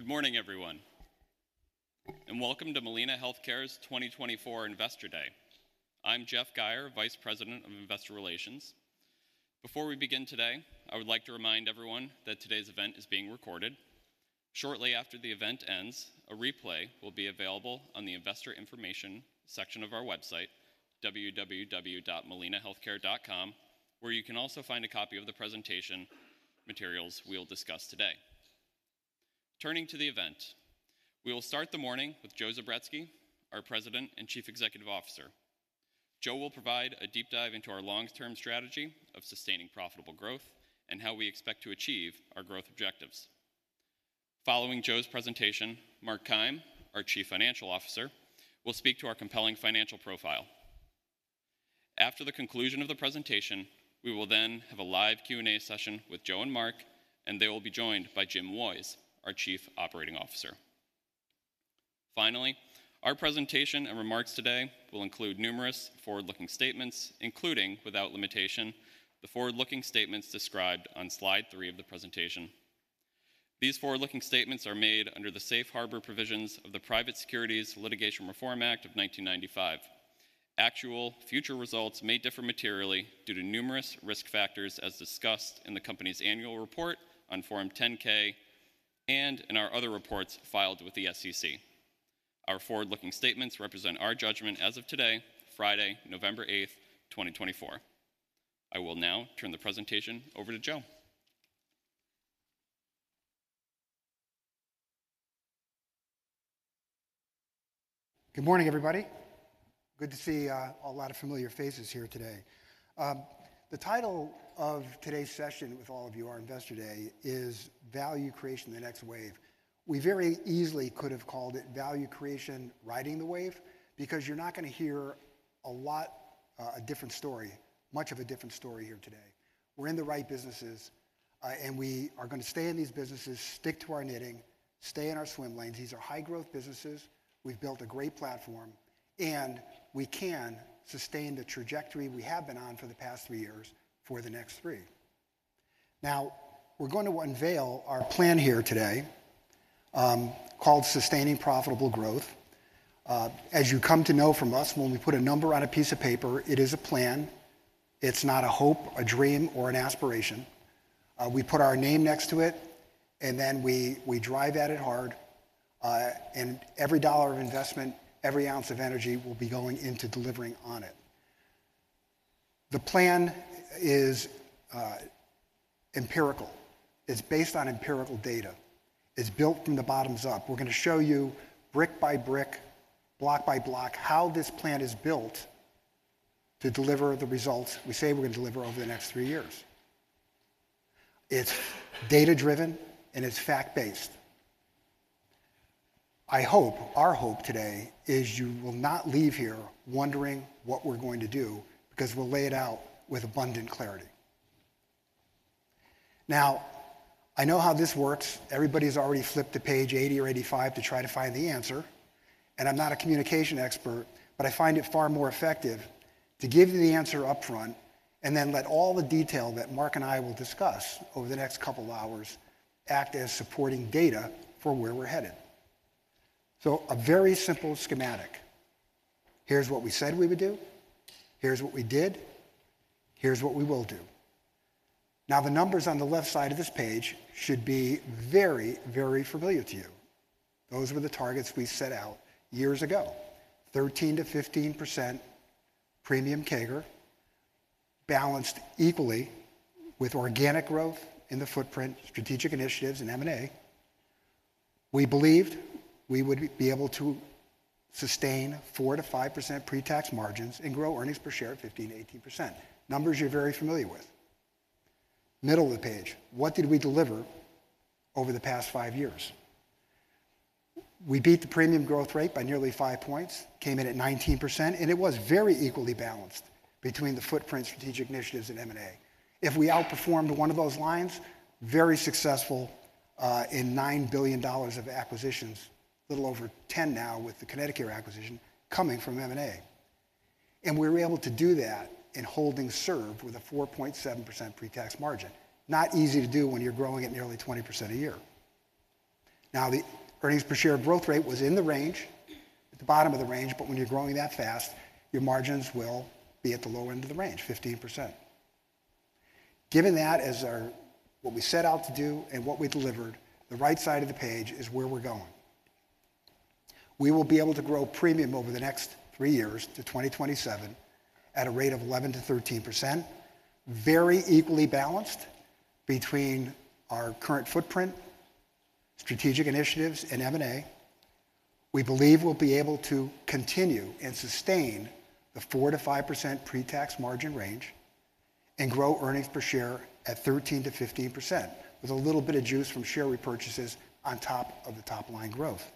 Good morning, everyone, and welcome to Molina Healthcare's 2024 Investor Day. I'm Jeff Geyer, Vice President of Investor Relations. Before we begin today, I would like to remind everyone that today's event is being recorded. Shortly after the event ends, a replay will be available on the Investor Information section of our website, www.molinahealthcare.com, where you can also find a copy of the presentation materials we'll discuss today. Turning to the event, we will start the morning with Joe Zubretsky, our President and Chief Executive Officer. Joe will provide a deep dive into our long-term strategy of sustaining profitable growth and how we expect to achieve our growth objectives. Following Joe's presentation, Mark Keim, our Chief Financial Officer, will speak to our compelling financial profile. After the conclusion of the presentation, we will then have a live Q&A session with Joe and Mark, and they will be joined by Jim Woys, our Chief Operating Officer. Finally, our presentation and remarks today will include numerous forward-looking statements, including, without limitation, the forward-looking statements described on slide three of the presentation. These forward-looking statements are made under the safe harbor provisions of the Private Securities Litigation Reform Act of 1995. Actual future results may differ materially due to numerous risk factors as discussed in the company's annual report on Form 10-K and in our other reports filed with the SEC. Our forward-looking statements represent our judgment as of today, Friday, November 8th, 2024. I will now turn the presentation over to Joe. Good morning, everybody. Good to see a lot of familiar faces here today. The title of today's session with all of you, our Investor Day, is Value Creation: The Next Wave. We very easily could have called it Value Creation: Riding the Wave because you're not going to hear a lot of a different story, much of a different story here today. We're in the right businesses, and we are going to stay in these businesses, stick to our knitting, stay in our swim lanes. These are high-growth businesses. We've built a great platform, and we can sustain the trajectory we have been on for the past three years for the next three. Now, we're going to unveil our plan here today called Sustaining Profitable Growth. As you come to know from us, when we put a number on a piece of paper, it is a plan. It's not a hope, a dream, or an aspiration. We put our name next to it, and then we drive at it hard. And every dollar of investment, every ounce of energy will be going into delivering on it. The plan is empirical. It's based on empirical data. It's built from the bottoms up. We're going to show you brick by brick, block by block, how this plan is built to deliver the results we say we're going to deliver over the next three years. It's data-driven, and it's fact-based. I hope, our hope today is you will not leave here wondering what we're going to do because we'll lay it out with abundant clarity. Now, I know how this works. Everybody's already flipped to page 80 or 85 to try to find the answer. I'm not a communication expert, but I find it far more effective to give you the answer upfront and then let all the detail that Mark and I will discuss over the next couple of hours act as supporting data for where we're headed. So a very simple schematic. Here's what we said we would do. Here's what we did. Here's what we will do. Now, the numbers on the left side of this page should be very, very familiar to you. Those were the targets we set out years ago: 13%-15% premium CAGR, balanced equally with organic growth in the footprint, strategic initiatives, and M&A. We believed we would be able to sustain 4%-5% pre-tax margins and grow earnings per share 15%-18%. Numbers you're very familiar with. Middle of the page, what did we deliver over the past five years? We beat the premium growth rate by nearly five points, came in at 19%, and it was very equally balanced between the footprint, strategic initiatives, and M&A. If we outperformed one of those lines, very successful in $9 billion of acquisitions, a little over 10 now with the Connecticut acquisition coming from M&A. And we were able to do that in holding serve with a 4.7% pre-tax margin. Not easy to do when you're growing at nearly 20% a year. Now, the earnings per share growth rate was in the range, at the bottom of the range, but when you're growing that fast, your margins will be at the low end of the range, 15%. Given that as our what we set out to do and what we delivered, the right side of the page is where we're going. We will be able to grow premium over the next three years to 2027 at a rate of, very equally balanced between our current footprint, strategic initiatives, and M&A. We believe we'll be able to continue and sustain the 4%-5% pre-tax margin range and grow earnings per share at 13%-15% with a little bit of juice from share repurchases on top of the top line growth.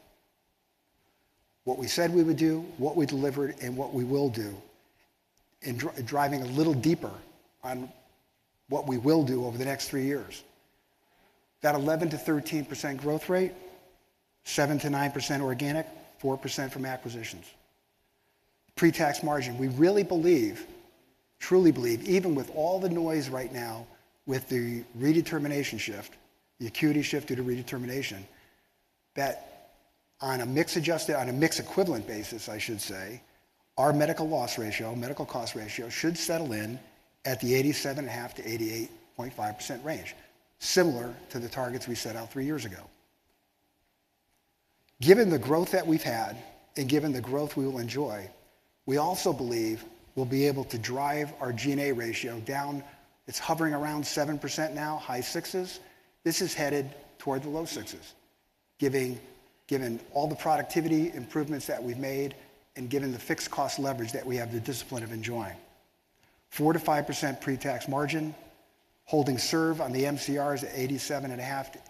What we said we would do, what we delivered, and what we will do in driving a little deeper on what we will do over the next three years. That growth rate, 7%-9% organic, 4% from acquisitions. Pre-tax margin, we really believe, truly believe, even with all the noise right now with the redetermination shift, the acuity shift due to redetermination, that on a mixed adjusted, on a mixed equivalent basis, I should say, our medical loss ratio, medical cost ratio should settle in at the 87.5%-88.5% range, similar to the targets we set out three years ago. Given the growth that we've had and given the growth we will enjoy, we also believe we'll be able to drive our G&A ratio down. It's hovering around 7% now, high sixes. This is headed toward the low sixes, given all the productivity improvements that we've made and given the fixed cost leverage that we have the discipline of enjoying. 4%-5% pre-tax margin, holding serve on the MCRs at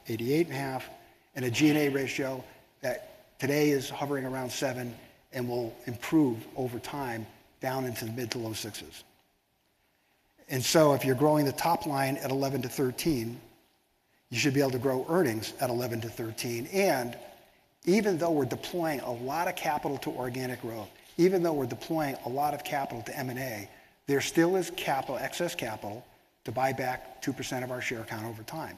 87.5%-88.5%, and a G&A ratio that today is hovering around 7% and will improve over time down into the mid-to-low sixes. And so if you're growing the top line at 11%-13%, you should be able to grow earnings at. And even though we're deploying a lot of capital to organic growth, even though we're deploying a lot of capital to M&A, there still is capital, excess capital to buy back 2% of our share count over time.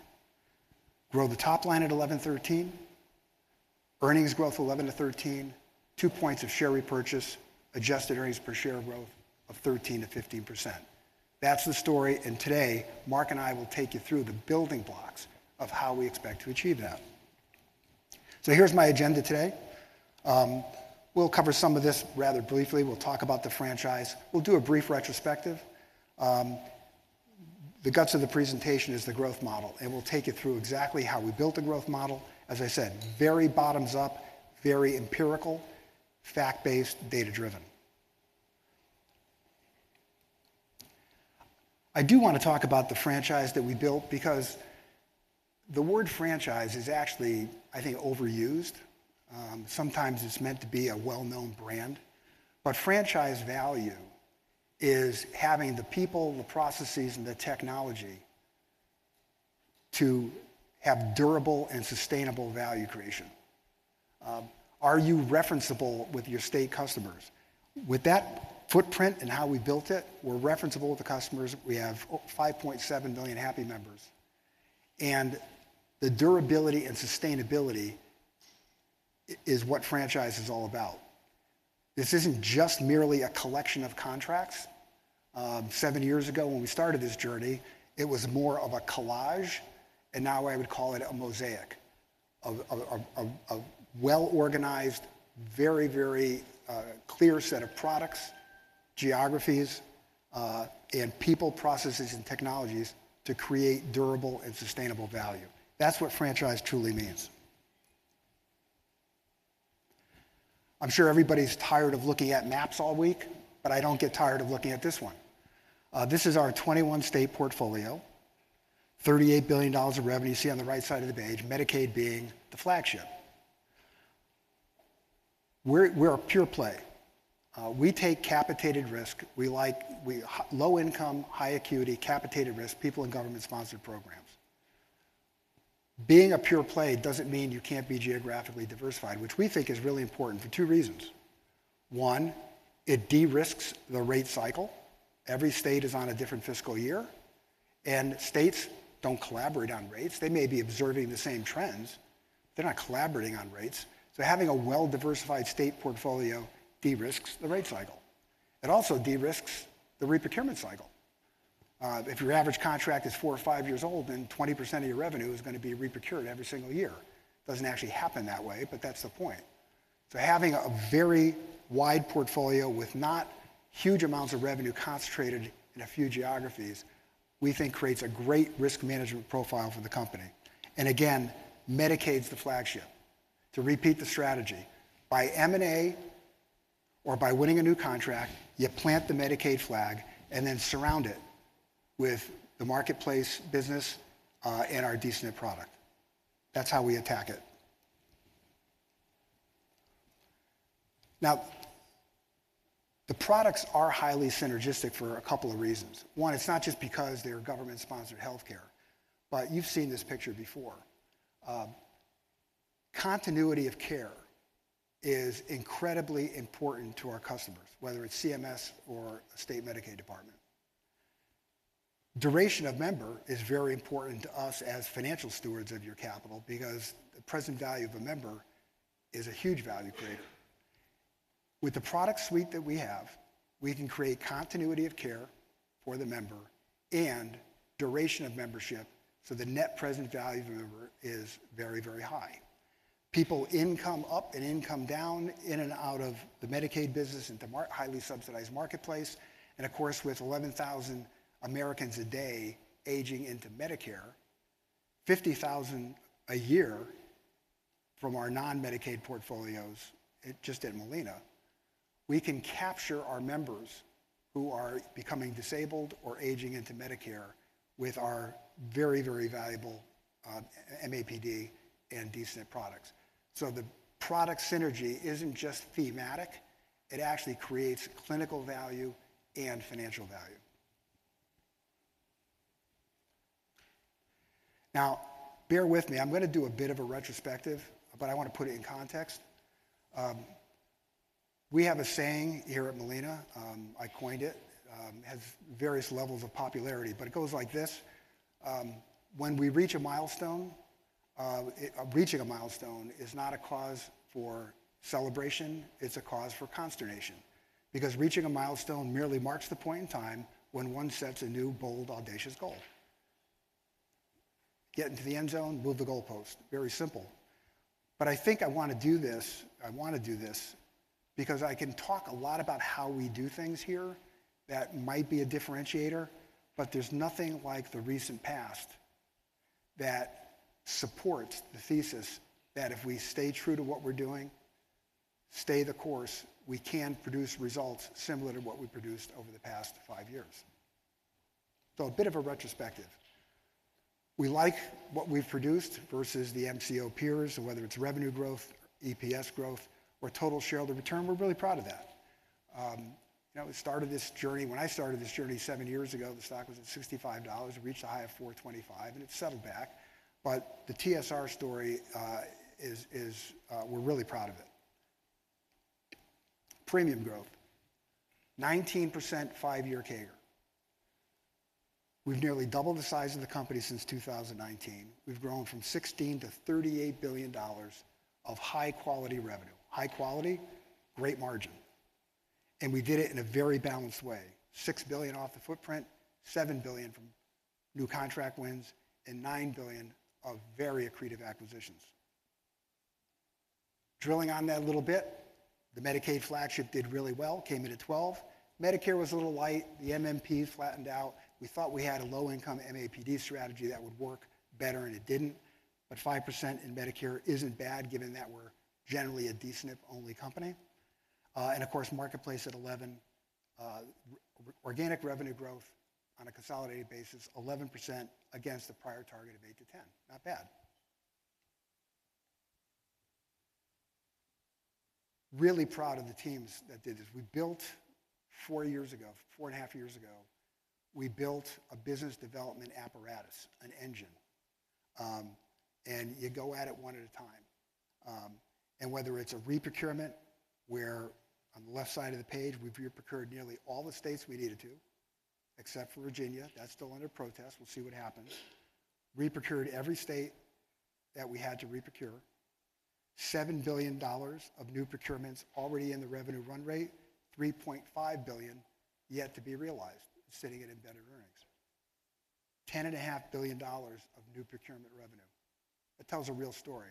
Grow the top line at 11%-13%, earnings growth 11%-13%, 2 points of share repurchase, adjusted earnings per share growth of 13%-15%. That's the story. And today, Mark and I will take you through the building blocks of how we expect to achieve that. So here's my agenda today. We'll cover some of this rather briefly. We'll talk about the franchise. We'll do a brief retrospective. The guts of the presentation is the growth model. And we'll take you through exactly how we built the growth model. As I said, very bottoms up, very empirical, fact-based, data-driven. I do want to talk about the franchise that we built because the word franchise is actually, I think, overused. Sometimes it's meant to be a well-known brand. But franchise value is having the people, the processes, and the technology to have durable and sustainable value creation. Are you referenceable with your state customers? With that footprint and how we built it, we're referenceable with the customers. We have 5.7 million happy members. And the durability and sustainability is what franchise is all about. This isn't just merely a collection of contracts. Seven years ago when we started this journey, it was more of a collage, and now I would call it a mosaic of well-organized, very, very clear set of products, geographies, and people, processes, and technologies to create durable and sustainable value. That's what franchise truly means. I'm sure everybody's tired of looking at maps all week, but I don't get tired of looking at this one. This is our 21-state portfolio, $38 billion of revenue you see on the right side of the page, Medicaid being the flagship. We're a pure play. We take capitated risk. We like low-income, high-acuity, capitated risk, people in government-sponsored programs. Being a pure play doesn't mean you can't be geographically diversified, which we think is really important for two reasons. One, it de-risks the rate cycle. Every state is on a different fiscal year, and states don't collaborate on rates. They may be observing the same trends. They're not collaborating on rates. So having a well-diversified state portfolio de-risks the rate cycle. It also de-risks the reprocurement cycle. If your average contract is four or five years old, then 20% of your revenue is going to be reprocured every single year. It doesn't actually happen that way, but that's the point. So having a very wide portfolio with not huge amounts of revenue concentrated in a few geographies, we think creates a great risk management profile for the company. And again, Medicaid's the flagship. To repeat the strategy, by M&A or by winning a new contract, you plant the Medicaid flag and then surround it with the Marketplace business and our D-SNP product. That's how we attack it. Now, the products are highly synergistic for a couple of reasons. One, it's not just because they're government-sponsored healthcare, but you've seen this picture before. Continuity of care is incredibly important to our customers, whether it's CMS or a state Medicaid department. Duration of member is very important to us as financial stewards of your capital because the present value of a member is a huge value creator. With the product suite that we have, we can create continuity of care for the member and duration of membership, so the net present value of a member is very, very high. People income up and income down in and out of the Medicaid business into highly subsidized Marketplace. And of course, with 11,000 Americans a day aging into Medicare, 50,000 a year from our non-Medicaid portfolios, just at Molina, we can capture our members who are becoming disabled or aging into Medicare with our very, very valuable MAPD and D-SNP products. So the product synergy isn't just thematic. It actually creates clinical value and financial value. Now, bear with me. I'm going to do a bit of a retrospective, but I want to put it in context. We have a saying here at Molina. I coined it. It has various levels of popularity, but it goes like this: When we reach a milestone, reaching a milestone is not a cause for celebration. It's a cause for consternation because reaching a milestone merely marks the point in time when one sets a new, bold, audacious goal. Get into the end zone, move the goalpost. Very simple. But I think I want to do this. I want to do this because I can talk a lot about how we do things here that might be a differentiator, but there's nothing like the recent past that supports the thesis that if we stay true to what we're doing, stay the course, we can produce results similar to what we produced over the past five years. So a bit of a retrospective. We like what we've produced versus the MCO peers, whether it's revenue growth, EPS growth, or total shareholder return. We're really proud of that. We started this journey. When I started this journey seven years ago, the stock was at $65. It reached a high of $425, and it settled back. But the TSR story, we're really proud of it. Premium growth, 19% five-year CAGR. We've nearly doubled the size of the company since 2019. We've grown from $16 billion to $38 billion of high-quality revenue. High quality, great margin. And we did it in a very balanced way. $6 billion off the footprint, $7 billion from new contract wins, and $9 billion of very accretive acquisitions. Drilling on that a little bit, the Medicaid flagship did really well, came in at 12%. Medicare was a little light. The MMP flattened out. We thought we had a low-income MAPD strategy that would work better, and it didn't. But 5% in Medicare isn't bad given that we're generally a D-SNP-only company. And of course, Marketplace at 11%. Organic revenue growth on a consolidated basis, 11% against the prior target of 8% to 10%. Not bad. Really proud of the teams that did this. We built four years ago, four and a half years ago, we built a business development apparatus, an engine. You go at it one at a time. Whether it's a reprocurement where on the left side of the page, we've reprocured nearly all the states we needed to, except for Virginia. That's still under protest. We'll see what happens. Reprocured every state that we had to reprocure. $7 billion of new procurements already in the revenue run rate, $3.5 billion yet to be realized, sitting in embedded earnings. $10.5 billion of new procurement revenue. That tells a real story.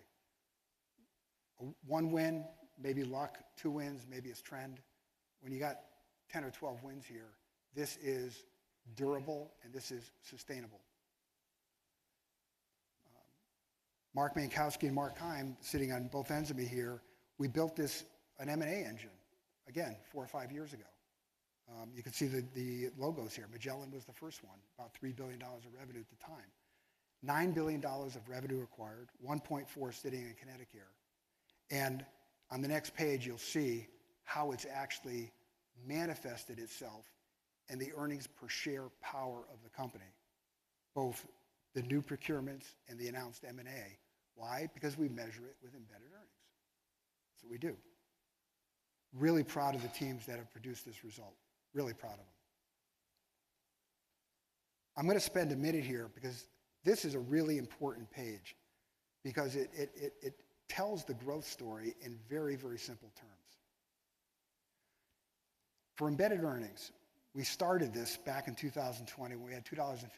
One win, maybe luck, two wins, maybe it's trend. When you got 10 or 12 wins here, this is durable and this is sustainable. Mark Menkowski and Mark Keim, sitting on both ends of me here, we built this an M&A engine, again, four or five years ago. You can see the logos here. Magellan was the first one, about $3 billion of revenue at the time. $9 billion of revenue acquired, $1.4 billion sitting in Connecticut, and on the next page, you'll see how it's actually manifested itself in the earnings per share power of the company, both the new procurements and the announced M&A. Why? Because we measure it with embedded earnings. That's what we do. Really proud of the teams that have produced this result. Really proud of them. I'm going to spend a minute here because this is a really important page because it tells the growth story in very, very simple terms. For embedded earnings, we started this back in 2020 when we had $2.50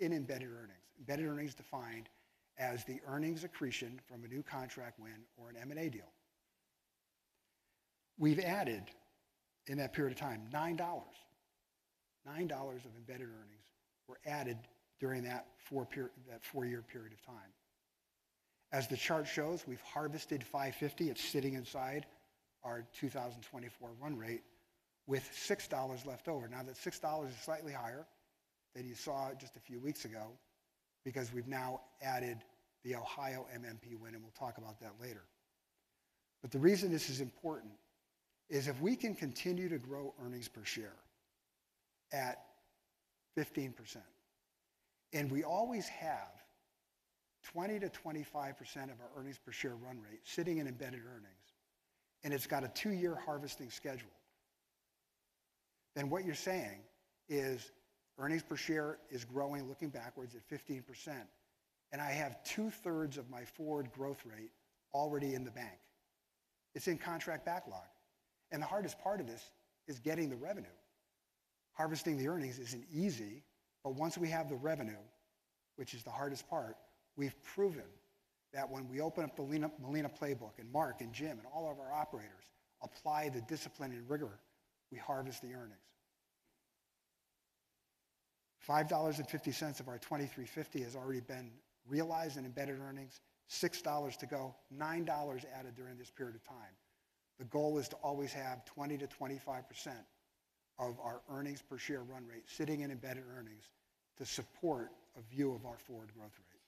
in embedded earnings. Embedded earnings defined as the earnings accretion from a new contract win or an M&A deal. We've added in that period of time, $9. $9 of embedded earnings were added during that four-year period of time. As the chart shows, we've harvested $5.50. It's sitting inside our 2024 run rate with $6 left over. Now that $6 is slightly higher than you saw just a few weeks ago because we've now added the Ohio MMP win, and we'll talk about that later, but the reason this is important is if we can continue to grow earnings per share at 15%, and we always have 20%-25% of our earnings per share run rate sitting in embedded earnings, and it's got a two-year harvesting schedule, then what you're saying is earnings per share is growing looking backwards at 15%, and I have two-thirds of my forward growth rate already in the bank. It's in contract backlog, and the hardest part of this is getting the revenue. Harvesting the earnings isn't easy, but once we have the revenue, which is the hardest part, we've proven that when we open up the Molina Playbook and Mark and Jim and all of our operators apply the discipline and rigor, we harvest the earnings. $5.50 of our $23.50 has already been realized in embedded earnings. $6 to go, $9 added during this period of time. The goal is to always have 20%-25% of our earnings per share run rate sitting in embedded earnings to support a view of our forward growth rate.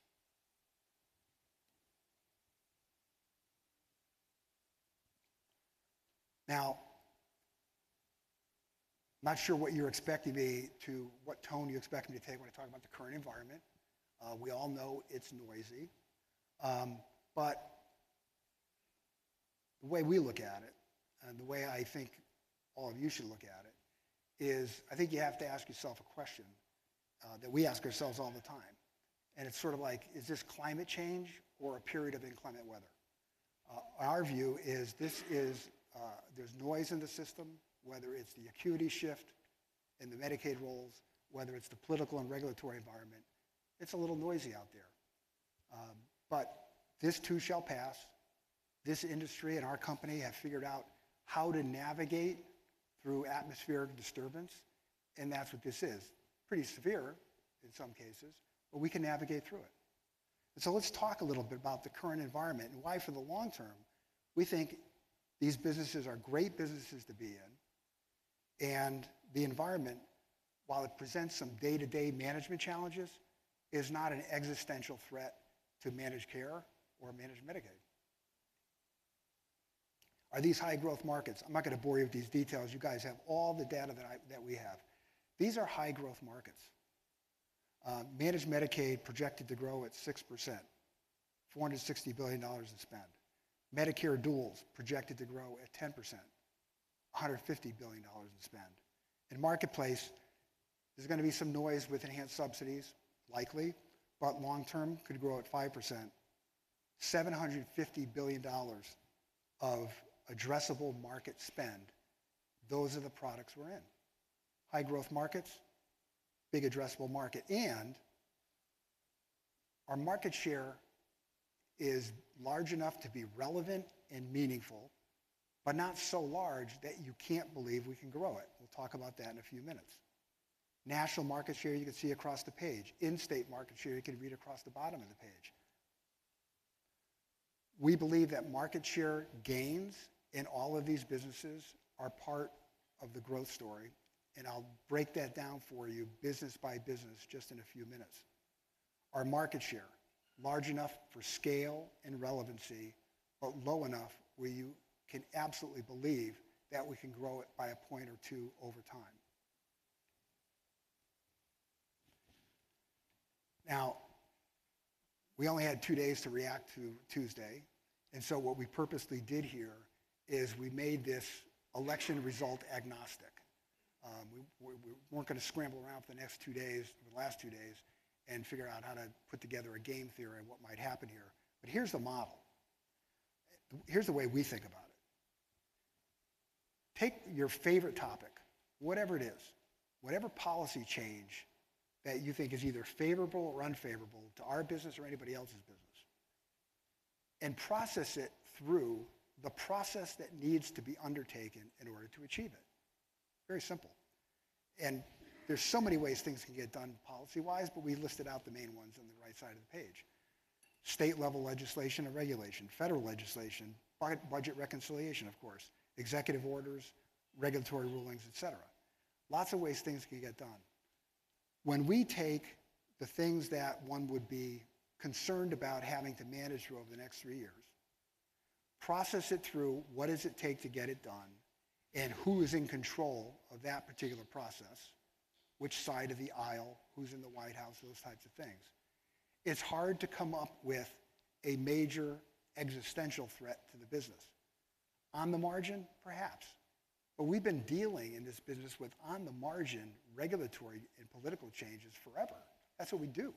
Now, I'm not sure what you're expecting me to what tone you expect me to take when I talk about the current environment. We all know it's noisy. But the way we look at it, and the way I think all of you should look at it, is I think you have to ask yourself a question that we ask ourselves all the time. And it's sort of like, is this climate change or a period of inclement weather? Our view is there's noise in the system, whether it's the acuity shift in the Medicaid rolls, whether it's the political and regulatory environment. It's a little noisy out there. But this too shall pass. This industry and our company have figured out how to navigate through atmospheric disturbance, and that's what this is. Pretty severe in some cases, but we can navigate through it. And so let's talk a little bit about the current environment and why for the long term, we think these businesses are great businesses to be in. The environment, while it presents some day-to-day management challenges, is not an existential threat to managed care or managed Medicaid. Are these high-growth markets? I'm not going to bore you with these details. You guys have all the data that we have. These are high-growth markets. Managed Medicaid projected to grow at 6%, $460 billion in spend. Medicare duals projected to grow at 10%, $150 billion in spend. In marketplace, there's going to be some noise with enhanced subsidies, likely, but long term could grow at 5%. $750 billion of addressable market spend, those are the products we're in. High-growth markets, big addressable market. And our market share is large enough to be relevant and meaningful, but not so large that you can't believe we can grow it. We'll talk about that in a few minutes. National market share, you can see across the page. In-state market share, you can read across the bottom of the page. We believe that market share gains in all of these businesses are part of the growth story, and I'll break that down for you business by business just in a few minutes. Our market share, large enough for scale and relevancy, but low enough where you can absolutely believe that we can grow it by a point or two over time. Now, we only had two days to react to Tuesday, and so what we purposely did here is we made this election result agnostic. We weren't going to scramble around for the next two days, the last two days, and figure out how to put together a game theory and what might happen here, but here's the model. Here's the way we think about it. Take your favorite topic, whatever it is, whatever policy change that you think is either favorable or unfavorable to our business or anybody else's business, and process it through the process that needs to be undertaken in order to achieve it. Very simple, and there's so many ways things can get done policy-wise, but we listed out the main ones on the right side of the page. State-level legislation and regulation, federal legislation, budget reconciliation, of course, executive orders, regulatory rulings, et cetera. Lots of ways things can get done. When we take the things that one would be concerned about having to manage through over the next three years, process it through what does it take to get it done, and who is in control of that particular process, which side of the aisle, who's in the White House, those types of things. It's hard to come up with a major existential threat to the business. On the margin, perhaps. But we've been dealing in this business with on the margin regulatory and political changes forever. That's what we do.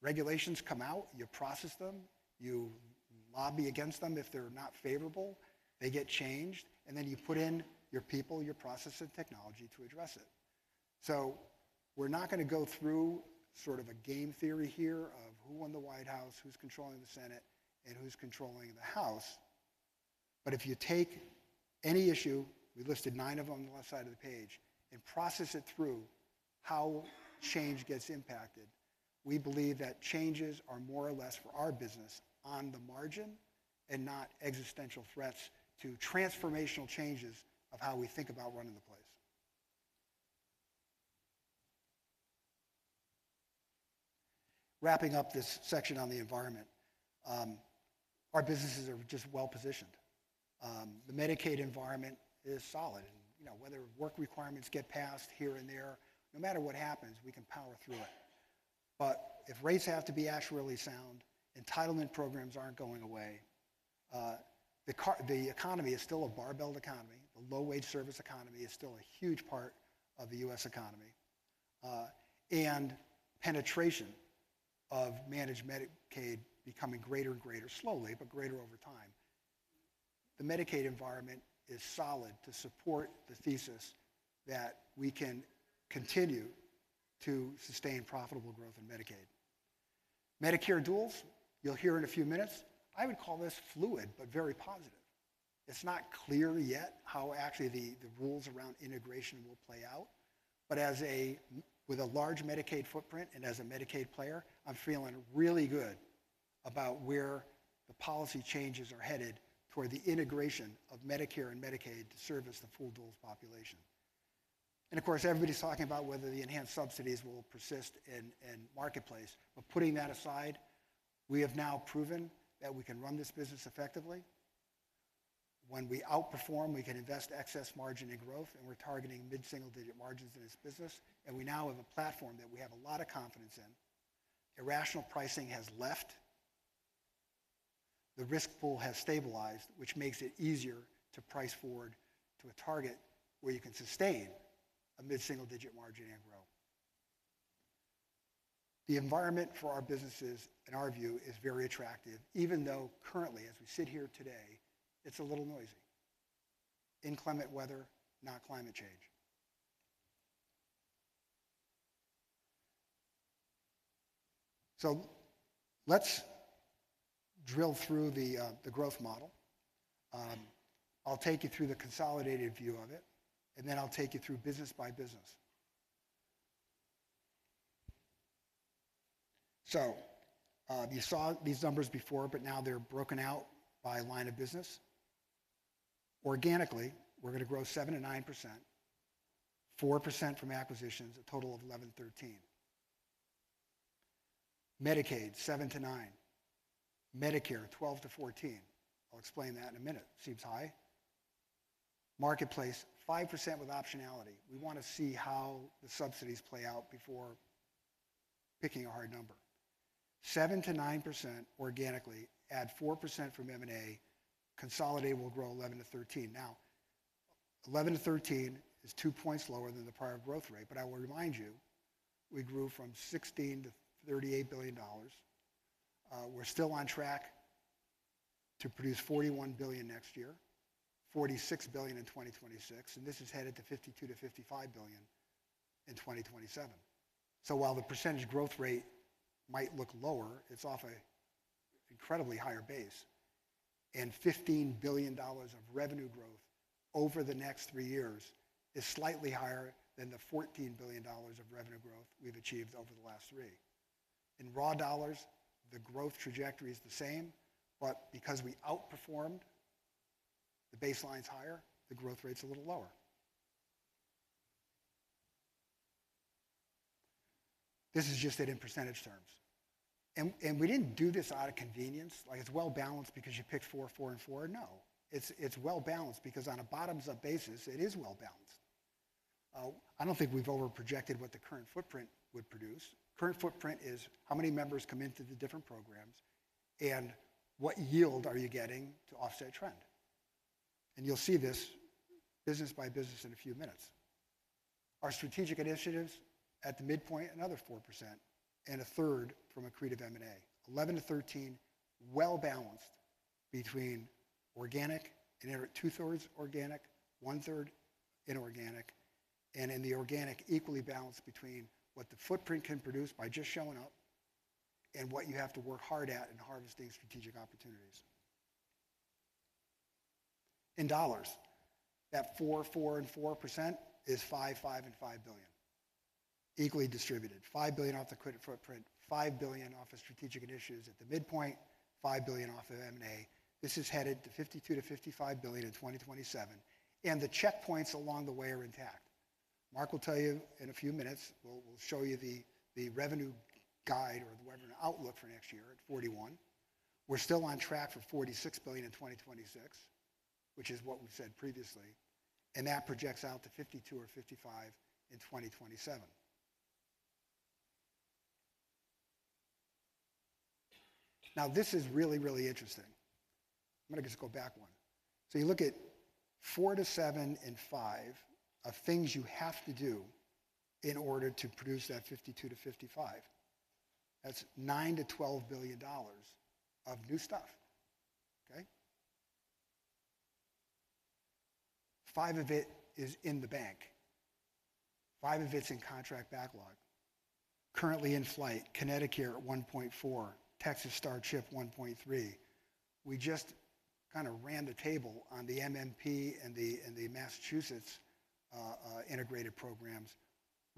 Regulations come out, you process them, you lobby against them if they're not favorable, they get changed, and then you put in your people, your process, and technology to address it. So we're not going to go through sort of a game theory here of who won the White House, who's controlling the Senate, and who's controlling the House. But if you take any issue, we listed nine of them on the left side of the page, and process it through how change gets impacted, we believe that changes are more or less for our business on the margin and not existential threats to transformational changes of how we think about running the place. Wrapping up this section on the environment, our businesses are just well-positioned. The Medicaid environment is solid. And whether work requirements get passed here and there, no matter what happens, we can power through it. But if rates have to be actually sound, entitlement programs aren't going away. The economy is still a barbelled economy. The low-wage service economy is still a huge part of the U.S. economy. And penetration of managed Medicaid becoming greater and greater slowly, but greater over time. The Medicaid environment is solid to support the thesis that we can continue to sustain profitable growth in Medicaid. Medicare Duals, you'll hear in a few minutes. I would call this fluid, but very positive. It's not clear yet how actually the rules around integration will play out. But with a large Medicaid footprint and as a Medicaid player, I'm feeling really good about where the policy changes are headed toward the integration of Medicare and Medicaid to service the full Duals population. And of course, everybody's talking about whether the enhanced subsidies will persist in Marketplace. But putting that aside, we have now proven that we can run this business effectively. When we outperform, we can invest excess margin in growth, and we're targeting mid-single-digit margins in this business. And we now have a platform that we have a lot of confidence in. Irrational pricing has left. The risk pool has stabilized, which makes it easier to price forward to a target where you can sustain a mid-single-digit margin and grow. The environment for our businesses, in our view, is very attractive, even though currently, as we sit here today, it's a little noisy. Inclement weather, not climate change. So let's drill through the growth model. I'll take you through the consolidated view of it, and then I'll take you through business by business. So you saw these numbers before, but now they're broken out by line of business. Organically, we're going to grow 7%-9%, 4% from acquisitions, a total of 11%-13%. Medicaid, 7%-9%. Medicare, 12%-14%. I'll explain that in a minute. Seems high. Marketplace, 5% with optionality. We want to see how the subsidies play out before picking a hard number. 7%-9% organically, add 4% from M&A, consolidate will grow. Now, is two points lower than the prior growth rate. But I will remind you, we grew from $16 billion to $38 billion. We're still on track to produce $41 billion next year, $46 billion in 2026. And this is headed to $52 billion-$55 billion in 2027. So while the percentage growth rate might look lower, it's off an incredibly higher base. And $15 billion of revenue growth over the next three years is slightly higher than the $14 billion of revenue growth we've achieved over the last three. In raw dollars, the growth trajectory is the same, but because we outperformed, the baseline's higher, the growth rate's a little lower. This is just it in percentage terms. We didn't do this out of convenience, like it's well-balanced because you picked four, four, and four. No. It's well-balanced because on a bottoms-up basis, it is well-balanced. I don't think we've over-projected what the current footprint would produce. Current footprint is how many members come into the different programs and what yield are you getting to offset trend. And you'll see this business by business in a few minutes. Our strategic initiatives at the midpoint, another 4%, and a third from accretive M&A., well-balanced between organic, two-thirds organic, one-third inorganic, and in the organic, equally balanced between what the footprint can produce by just showing up and what you have to work hard at in harvesting strategic opportunities. In dollars, that four, four, and four% is $5 billion, $5 billion, and $5 billion. Equally distributed. $5 billion off the accretive footprint, $5 billion off the strategic initiatives at the midpoint, $5 billion off of M&A. This is headed to $52 billion-$55 billion in 2027, and the checkpoints along the way are intact. Mark will tell you in a few minutes. We'll show you the revenue guide or the revenue outlook for next year at $41 billion. We're still on track for $46 billion in 2026, which is what we said previously, and that projects out to $52 billion or $55 billion in 2027. Now, this is really, really interesting. I'm going to just go back one, so you look at $4 billion-$7 billion and $5 billion of things you have to do in order to produce that $52 billion-$55 billion. That's $9 billion-$12 billion of new stuff. Okay? Five of it is in the bank. Five of it's in contract backlog. Currently in flight, ConnectiCare at $1.4 billion, Texas Star CHIP $1.3 billion. We just kind of ran the table on the MMP and the Massachusetts integrated programs.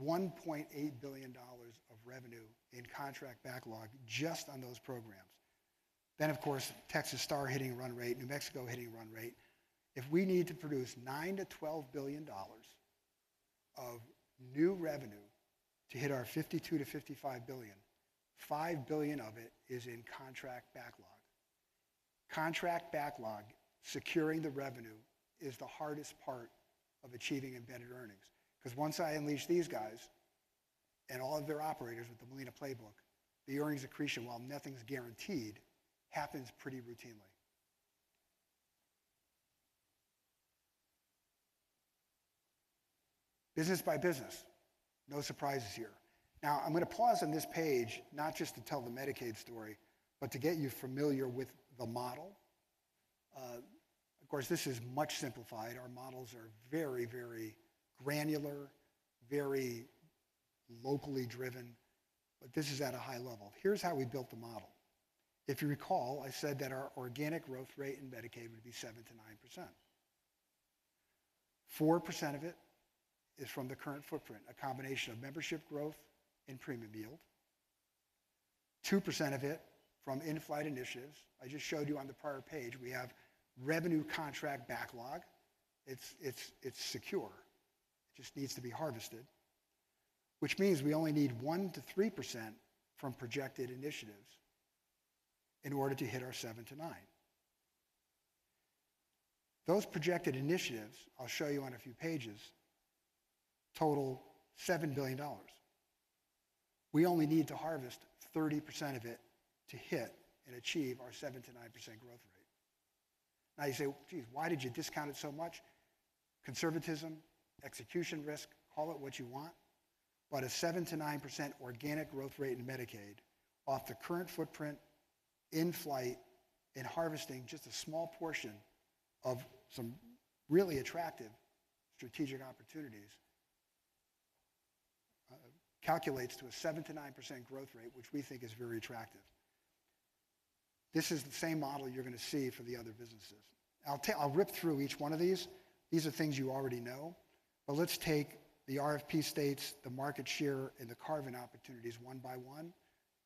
$1.8 billion of revenue in contract backlog just on those programs. Then, of course, Texas Star hitting run rate, New Mexico hitting run rate. If we need to produce $9 billion-$12 billion of new revenue to hit our $52 billion-$55 billion, $5 billion of it is in contract backlog. Contract backlog, securing the revenue, is the hardest part of achieving embedded earnings. Because once I unleash these guys and all of their operators with the Molina Playbook, the earnings accretion, while nothing's guaranteed, happens pretty routinely. Business by business. No surprises here. Now, I'm going to pause on this page, not just to tell the Medicaid story, but to get you familiar with the model. Of course, this is much simplified. Our models are very, very granular, very locally driven. But this is at a high level. Here's how we built the model. If you recall, I said that our organic growth rate in Medicaid would be 7%-9%. 4% of it is from the current footprint, a combination of membership growth and premium yield. 2% of it from in-flight initiatives. I just showed you on the prior page, we have revenue contract backlog. It's secure. It just needs to be harvested. Which means we only need 1%-3% from projected initiatives in order to hit our 7%-9%. Those projected initiatives, I'll show you on a few pages, total $7 billion. We only need to harvest 30% of it to hit and achieve our 7%-9% growth rate. Now, you say, "Jeez, why did you discount it so much?" Conservatism, execution risk, call it what you want. But a 7%-9% organic growth rate in Medicaid off the current footprint, in-flight, in harvesting, just a small portion of some really attractive strategic opportunities calculates to a 7%-9% growth rate, which we think is very attractive. This is the same model you're going to see for the other businesses. I'll rip through each one of these. These are things you already know. But let's take the RFP states, the market share, and the carve-in opportunities one by one.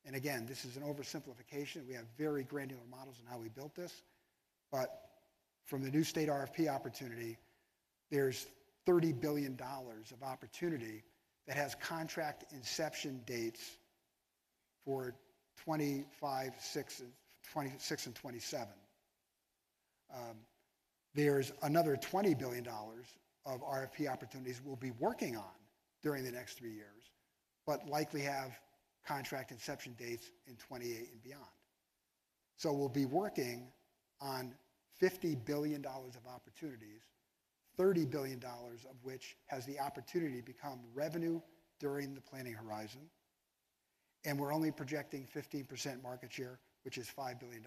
And again, this is an oversimplification. We have very granular models on how we built this. But from the new state RFP opportunity, there's $30 billion of opportunity that has contract inception dates for 2025, 2026, and 2027. There's another $20 billion of RFP opportunities we'll be working on during the next three years, but likely have contract inception dates in 2028 and beyond. So we'll be working on $50 billion of opportunities, $30 billion of which has the opportunity to become revenue during the planning horizon. And we're only projecting 15% market share, which is $5 billion.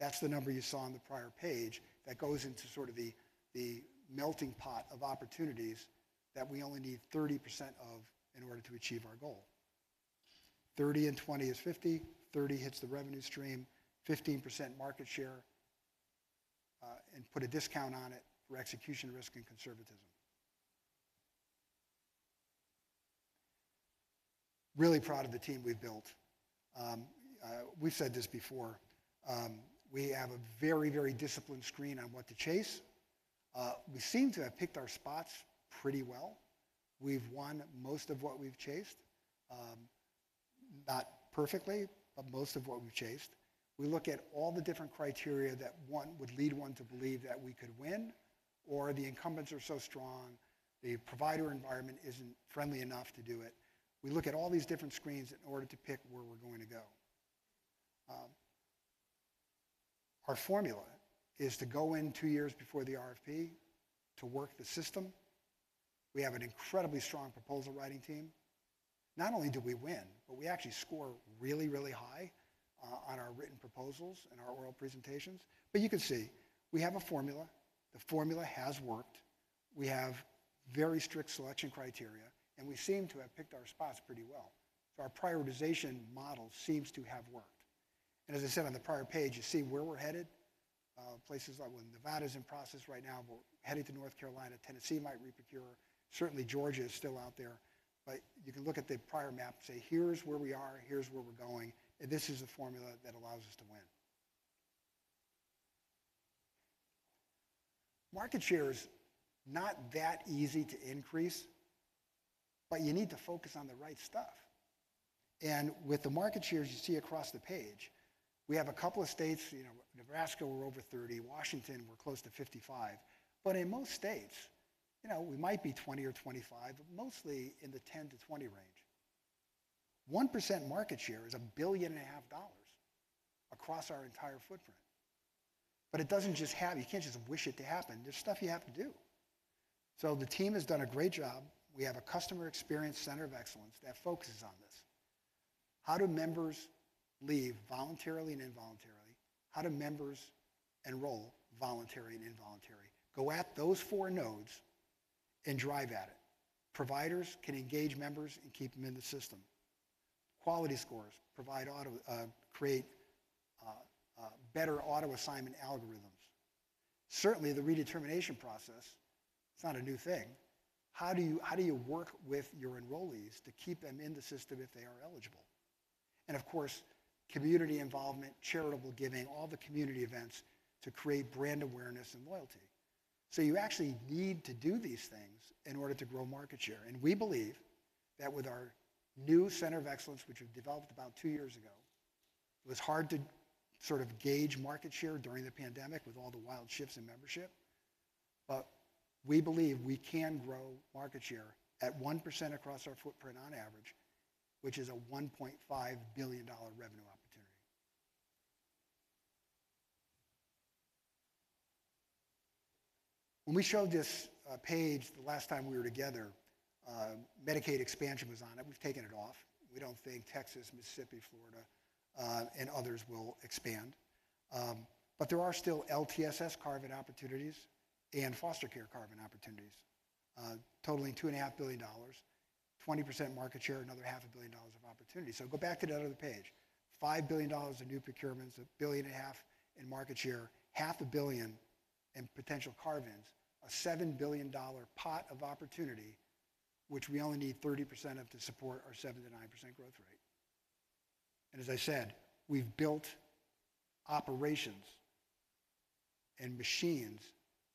That's the number you saw on the prior page that goes into sort of the melting pot of opportunities that we only need 30% of in order to achieve our goal. 30 and 20 is 50. 30 hits the revenue stream, 15% market share, and put a discount on it for execution risk and conservatism. Really proud of the team we've built. We've said this before. We have a very, very disciplined screen on what to chase. We seem to have picked our spots pretty well. We've won most of what we've chased. Not perfectly, but most of what we've chased. We look at all the different criteria that would lead one to believe that we could win, or the incumbents are so strong, the provider environment isn't friendly enough to do it. We look at all these different screens in order to pick where we're going to go. Our formula is to go in two years before the RFP to work the system. We have an incredibly strong proposal writing team. Not only did we win, but we actually score really, really high on our written proposals and our oral presentations. But you can see we have a formula. The formula has worked. We have very strict selection criteria, and we seem to have picked our spots pretty well. So our prioritization model seems to have worked. And as I said on the prior page, you see where we're headed. Places like when Nevada's in process right now, we're heading to North Carolina. Tennessee might reprocure. Certainly, Georgia is still out there. But you can look at the prior map and say, "Here's where we are. Here's where we're going." And this is the formula that allows us to win. Market share is not that easy to increase, but you need to focus on the right stuff. And with the market shares you see across the page, we have a couple of states. Nebraska, we're over 30%. Washington, we're close to 55%. But in most states, we might be 20% or 25%, but mostly in the 10-20 range. 1% market share is $1.5 billion across our entire footprint. But it doesn't just happen. You can't just wish it to happen. There's stuff you have to do. So the team has done a great job. We have a customer experience center of excellence that focuses on this. How do members leave voluntarily and involuntarily? How do members enroll voluntary and involuntary? Go at those four nodes and drive at it. Providers can engage members and keep them in the system. Quality scores create better auto assignment algorithms. Certainly, the redetermination process, it's not a new thing. How do you work with your enrollees to keep them in the system if they are eligible? And of course, community involvement, charitable giving, all the community events to create brand awareness and loyalty. So you actually need to do these things in order to grow market share. We believe that with our new center of excellence, which we've developed about two years ago, it was hard to sort of gauge market share during the pandemic with all the wild shifts in membership. But we believe we can grow market share at 1% across our footprint on average, which is a $1.5 billion revenue opportunity. When we showed this page the last time we were together, Medicaid expansion was on it. We've taken it off. We don't think Texas, Mississippi, Florida, and others will expand. But there are still LTSS carve-in opportunities and foster care carve-in opportunities, totaling $2.5 billion, 20% market share, another $500 million of opportunity. So go back to that other page. $5 billion in new procurements, $1.5 billion in market share, $0.5 billion in potential carve-ins, a $7 billion pot of opportunity, which we only need 30% of to support our 7%-9% growth rate. And as I said, we've built operations and machines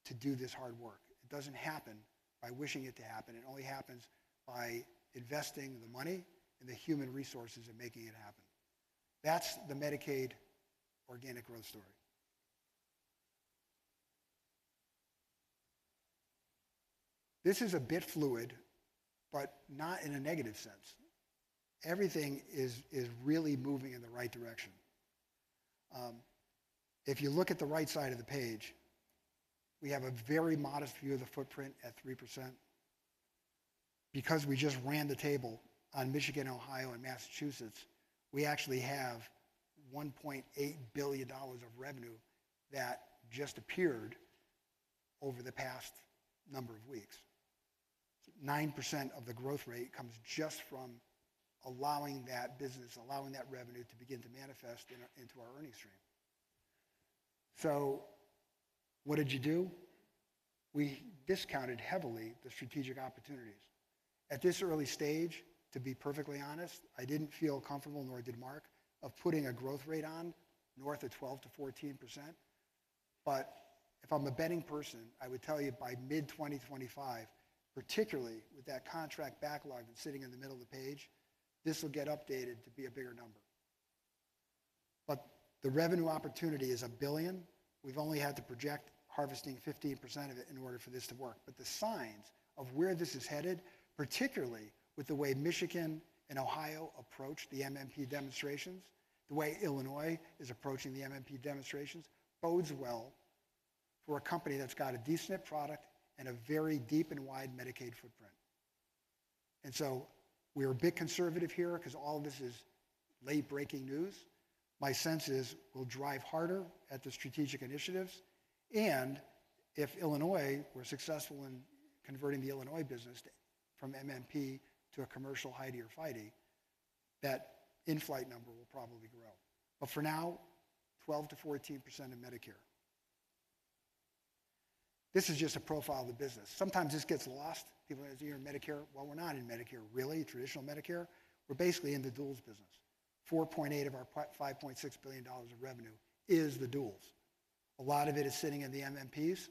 to do this hard work. It doesn't happen by wishing it to happen. It only happens by investing the money and the human resources and making it happen. That's the Medicaid organic growth story. This is a bit fluid, but not in a negative sense. Everything is really moving in the right direction. If you look at the right side of the page, we have a very modest view of the footprint at 3%. Because we just ran the table on Michigan, Ohio, and Massachusetts, we actually have $1.8 billion of revenue that just appeared over the past number of weeks. 9% of the growth rate comes just from allowing that business, allowing that revenue to begin to manifest into our earnings stream. So what did you do? We discounted heavily the strategic opportunities. At this early stage, to be perfectly honest, I didn't feel comfortable, nor did Mark, of putting a growth rate on north of 12%-14%. But if I'm a betting person, I would tell you by mid-2025, particularly with that contract backlog that's sitting in the middle of the page, this will get updated to be a bigger number. But the revenue opportunity is $1 billion. We've only had to project harvesting 15% of it in order for this to work. But the signs of where this is headed, particularly with the way Michigan and Ohio approach the MMP demonstrations, the way Illinois is approaching the MMP demonstrations, bodes well for a company that's got a decent product and a very deep and wide Medicaid footprint. And so we are a bit conservative here because all of this is late-breaking news. My sense is we'll drive harder at the strategic initiatives. And if Illinois were successful in converting the Illinois business from MMP to a commercial HIDE or FIDE, that in-flight number will probably grow. But for now, 12%-14% of Medicare. This is just a profile of the business. Sometimes this gets lost. People ask me, "Are you in Medicare?" Well, we're not in Medicare, really, traditional Medicare. We're basically in the duals business. $4.8 billion of our $5.6 billion of revenue is the duals. A lot of it is sitting in the MMPs.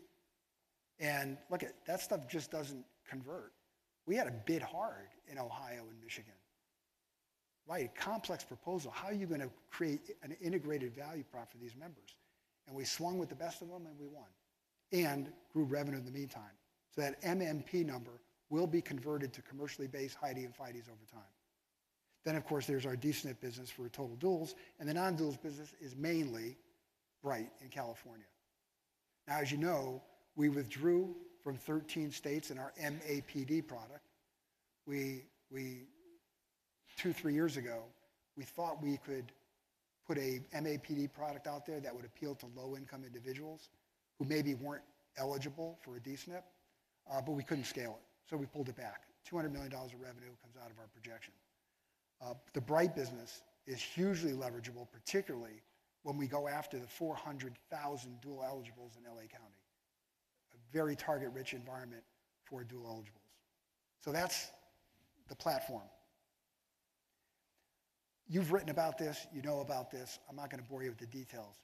And look, that stuff just doesn't convert. We had a bid hard in Ohio and Michigan. Right? A complex proposal. How are you going to create an integrated value prop for these members? And we swung with the best of them, and we won. And grew revenue in the meantime. So that MMP number will be converted to commercially based HIDE and FIDEs over time. Then, of course, there's our D-SNP business for total duals. And the non-duals business is mainly Bright in California. Now, as you know, we withdrew from 13 states in our MAPD product. Two, three years ago, we thought we could put an MAPD product out there that would appeal to low-income individuals who maybe weren't eligible for a D-SNP. But we couldn't scale it. So we pulled it back. $200 million of revenue comes out of our projection. The Bright business is hugely leverageable, particularly when we go after the 400,000 dual eligibles in LA County. A very target-rich environment for dual eligibles, so that's the platform. You've written about this. You know about this. I'm not going to bore you with the details,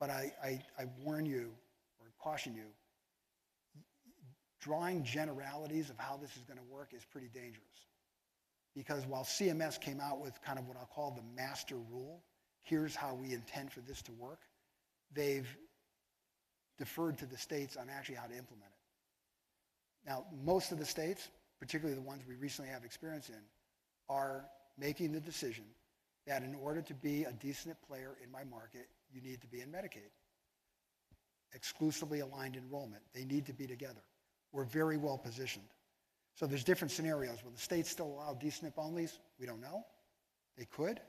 but I warn you or caution you, drawing generalities of how this is going to work is pretty dangerous. Because while CMS came out with kind of what I'll call the master rule, "Here's how we intend for this to work," they've deferred to the states on actually how to implement it. Now, most of the states, particularly the ones we recently have experience in, are making the decision that in order to be a decent player in my market, you need to be in Medicaid. Exclusively aligned enrollment. They need to be together. We're very well positioned. So there's different scenarios. Will the states still allow D-SNP only? We don't know. They could.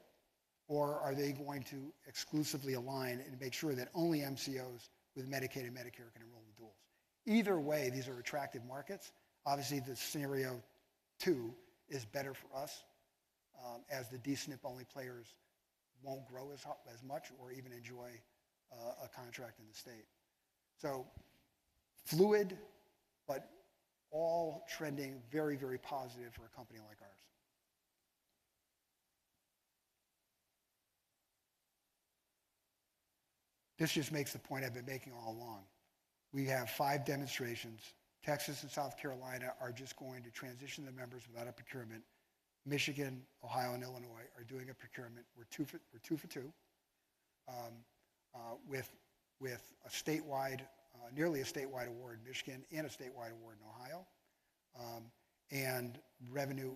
Or are they going to exclusively align and make sure that only MCOs with Medicaid and Medicare can enroll in Duals? Either way, these are attractive markets. Obviously, the scenario two is better for us as the D-SNP only players won't grow as much or even enjoy a contract in the state. So fluid, but all trending very, very positive for a company like ours. This just makes the point I've been making all along. We have five demonstrations. Texas and South Carolina are just going to transition the members without a procurement. Michigan, Ohio, and Illinois are doing a procurement. We're two for two. With a statewide, nearly a statewide award in Michigan and a statewide award in Ohio, and revenue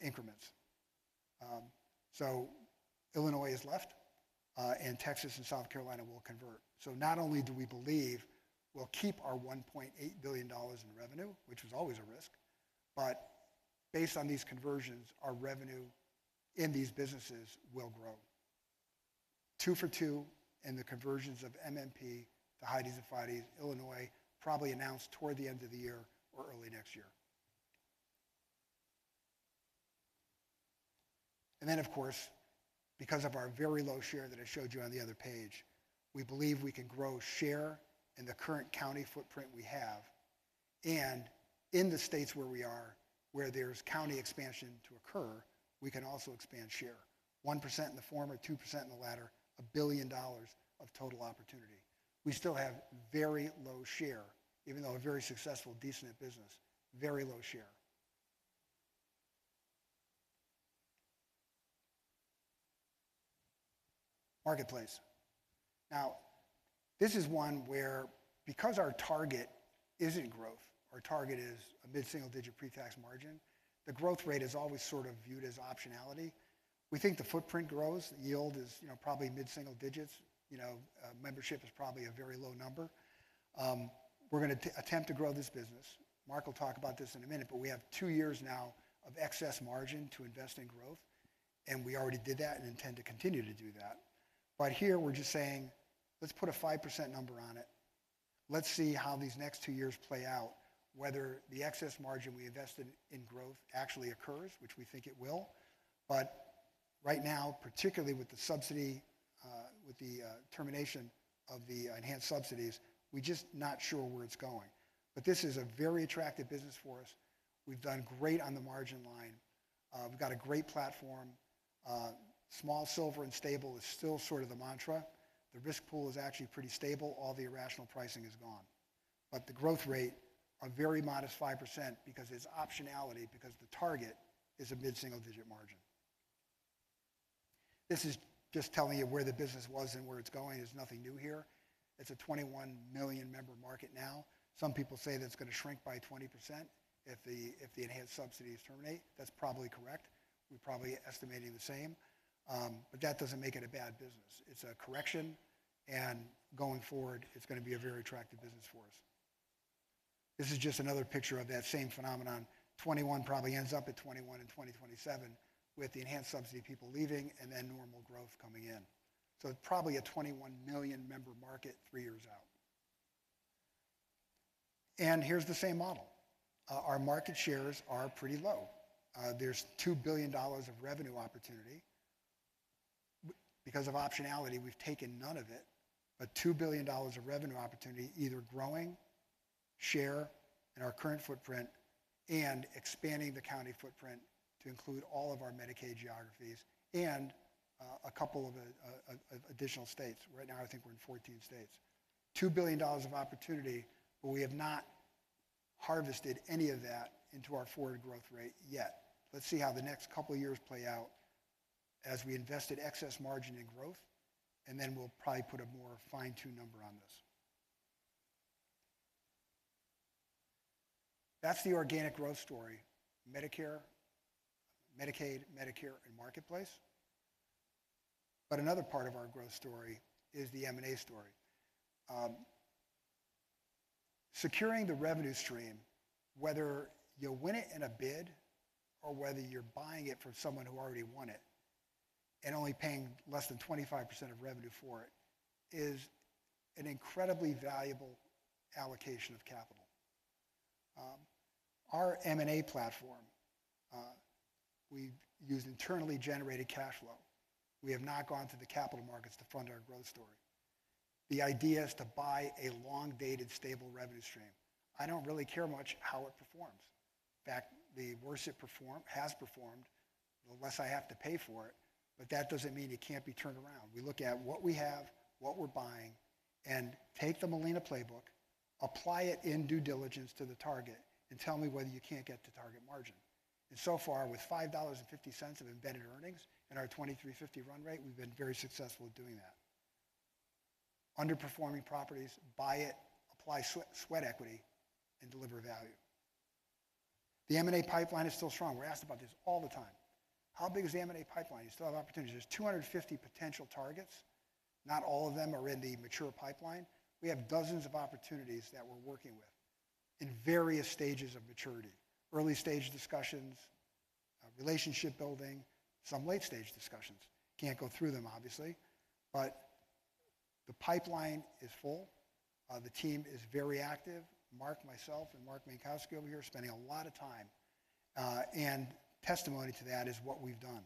increments. Illinois has left, and Texas and South Carolina will convert. Not only do we believe we'll keep our $1.8 billion in revenue, which was always a risk, but based on these conversions, our revenue in these businesses will grow. Two for two in the conversions of MMP to HIDE and FIDE. Illinois probably announced toward the end of the year or early next year. Of course, because of our very low share that I showed you on the other page, we believe we can grow share in the current county footprint we have. In the states where we are, where there's county expansion to occur, we can also expand share. 1% in the former, 2% in the latter, $1 billion of total opportunity. We still have very low share, even though a very successful D-SNP business, very low share. Marketplace. Now, this is one where, because our target isn't growth, our target is a mid-single-digit pre-tax margin, the growth rate is always sort of viewed as optionality. We think the footprint grows. The yield is probably mid-single digits. Membership is probably a very low number. We're going to attempt to grow this business. Mark will talk about this in a minute, but we have two years now of excess margin to invest in growth. And we already did that and intend to continue to do that. But here, we're just saying, "Let's put a 5% number on it. Let's see how these next two years play out, whether the excess margin we invested in growth actually occurs," which we think it will. But right now, particularly with the subsidy, with the termination of the enhanced subsidies, we're just not sure where it's going. But this is a very attractive business for us. We've done great on the margin line. We've got a great platform. Small, silver, and stable is still sort of the mantra. The risk pool is actually pretty stable. All the irrational pricing is gone. But the growth rate is a very modest 5% because it's optionality, because the target is a mid-single digit margin. This is just telling you where the business was and where it's going. It's nothing new here. It's a 21 million member market now. Some people say that it's going to shrink by 20% if the enhanced subsidies terminate. That's probably correct. We're probably estimating the same. But that doesn't make it a bad business. It's a correction. And going forward, it's going to be a very attractive business for us. This is just another picture of that same phenomenon. 21 probably ends up at 21 in 2027 with the enhanced subsidy people leaving and then normal growth coming in, so probably a 21 million member market three years out, and here's the same model. Our market shares are pretty low. There's $2 billion of revenue opportunity. Because of optionality, we've taken none of it, but $2 billion of revenue opportunity either growing share in our current footprint and expanding the current footprint to include all of our Medicaid geographies and a couple of additional states. Right now, I think we're in 14 states. $2 billion of opportunity, but we have not harvested any of that into our forward growth rate yet. Let's see how the next couple of years play out as we invested excess margin in growth, and then we'll probably put a more fine-tuned number on this. That's the organic growth story. Medicare, Medicaid, Medicare, and Marketplace. But another part of our growth story is the M&A story. Securing the revenue stream, whether you win it in a bid or whether you're buying it from someone who already won it and only paying less than 25% of revenue for it, is an incredibly valuable allocation of capital. Our M&A platform, we use internally generated cash flow. We have not gone to the capital markets to fund our growth story. The idea is to buy a long-dated stable revenue stream. I don't really care much how it performs. In fact, the worst it has performed, unless I have to pay for it, but that doesn't mean it can't be turned around. We look at what we have, what we're buying, and take the Molina playbook, apply it in due diligence to the target, and tell me whether you can't get the target margin. And so far, with $5.50 of embedded earnings and our $23.50 run rate, we've been very successful at doing that. Underperforming properties, buy it, apply sweat equity, and deliver value. The M&A pipeline is still strong. We're asked about this all the time. How big is the M&A pipeline? You still have opportunities. There's 250 potential targets. Not all of them are in the mature pipeline. We have dozens of opportunities that we're working with in various stages of maturity. Early stage discussions, relationship building, some late stage discussions. Can't go through them, obviously. But the pipeline is full. The team is very active. Mark, myself, and Mark Menkowski over here are spending a lot of time. And testimony to that is what we've done.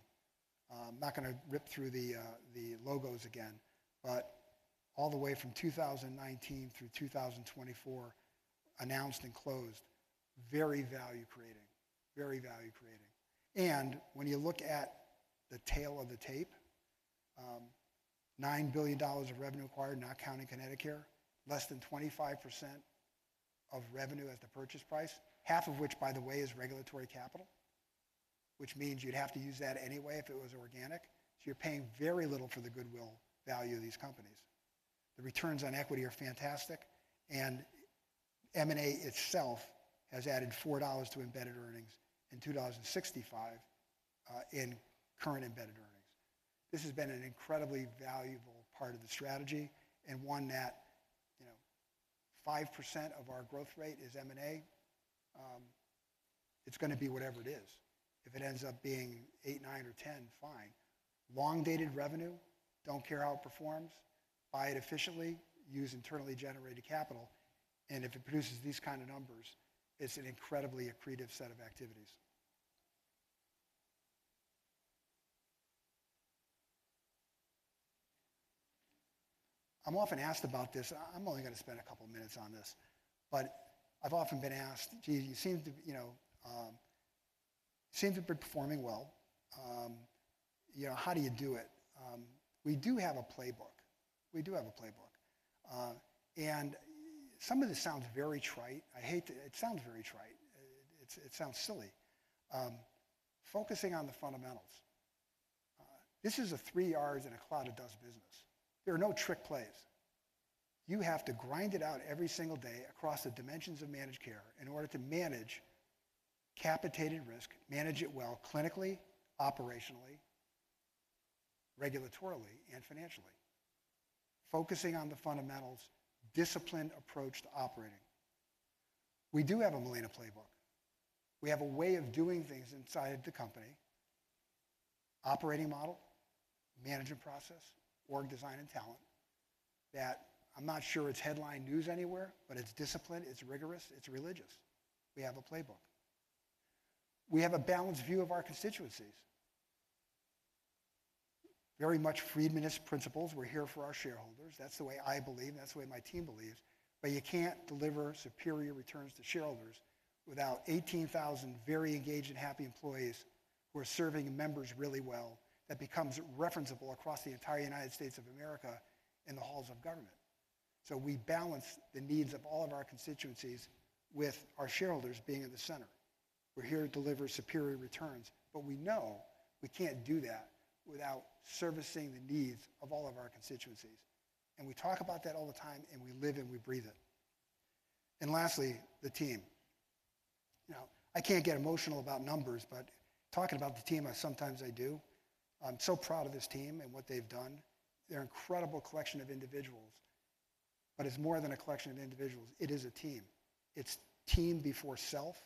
I'm not going to rip through the logos again, but all the way from 2019 through 2024, announced and closed, very value creating. Very value creating. And when you look at the tail of the tape, $9 billion of revenue acquired, not counting Connecticut, less than 25% of revenue at the purchase price, half of which, by the way, is regulatory capital, which means you'd have to use that anyway if it was organic. So you're paying very little for the goodwill value of these companies. The returns on equity are fantastic. And M&A itself has added $4 to embedded earnings and $2.65 in current embedded earnings. This has been an incredibly valuable part of the strategy and one that 5% of our growth rate is M&A. It's going to be whatever it is. If it ends up being eight, nine, or 10, fine. Long-dated revenue, don't care how it performs. Buy it efficiently. Use internally generated capital. And if it produces these kinds of numbers, it's an incredibly accretive set of activities. I'm often asked about this. I'm only going to spend a couple of minutes on this. But I've often been asked, "Gee, you seem to be performing well. How do you do it?" We do have a playbook. We do have a playbook. And some of this sounds very trite. I hate to, it sounds very trite. It sounds silly. Focusing on the fundamentals. This is a three R's and a cloud of dust business. There are no trick plays. You have to grind it out every single day across the dimensions of managed care in order to manage capitated risk, manage it well clinically, operationally, regulatorily, and financially. Focusing on the fundamentals, disciplined approach to operating. We do have a Molina playbook. We have a way of doing things inside the company, operating model, management process, org design, and talent that I'm not sure it's headline news anywhere, but it's disciplined, it's rigorous, it's religious. We have a playbook. We have a balanced view of our constituencies. Very much Friedmanist principles. We're here for our shareholders. That's the way I believe. That's the way my team believes. But you can't deliver superior returns to shareholders without 18,000 very engaged and happy employees who are serving members really well that becomes referenceable across the entire United States of America in the halls of government. So we balance the needs of all of our constituencies with our shareholders being in the center. We're here to deliver superior returns. But we know we can't do that without servicing the needs of all of our constituencies. We talk about that all the time, and we live and we breathe it. Lastly, the team. I can't get emotional about numbers, but talking about the team, sometimes I do. I'm so proud of this team and what they've done. They're an incredible collection of individuals. It's more than a collection of individuals. It is a team. It's team before self.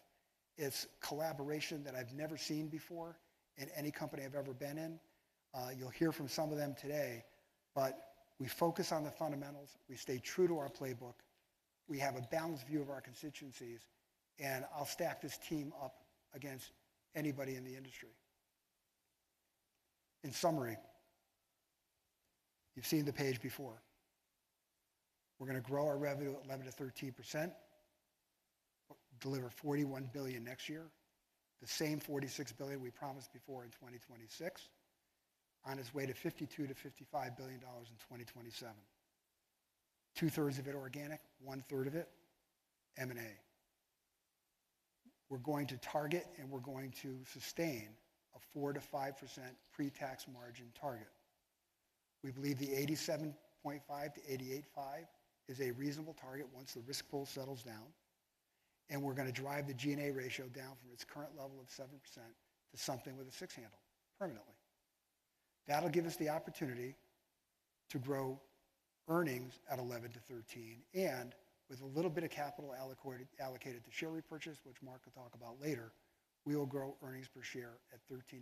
It's collaboration that I've never seen before in any company I've ever been in. You'll hear from some of them today. We focus on the fundamentals. We stay true to our playbook. We have a balanced view of our constituencies. I'll stack this team up against anybody in the industry. In summary, you've seen the page before. We're going to grow our revenue at. Deliver $41 billion next year. The same $46 billion we promised before in 2026. On its way to $52 billion-$55 billion in 2027. Two-thirds of it organic, one-third of it M&A. We're going to target, and we're going to sustain a 4%-5% pre-tax margin target. We believe the 87.5%-88.5% is a reasonable target once the risk pool settles down. We're going to drive the G&A ratio down from its current level of 7% to something with a six handle permanently. That'll give us the opportunity to grow earnings at. With a little bit of capital allocated to share repurchase, which Mark will talk about later, we will grow earnings per share at 13%-15%.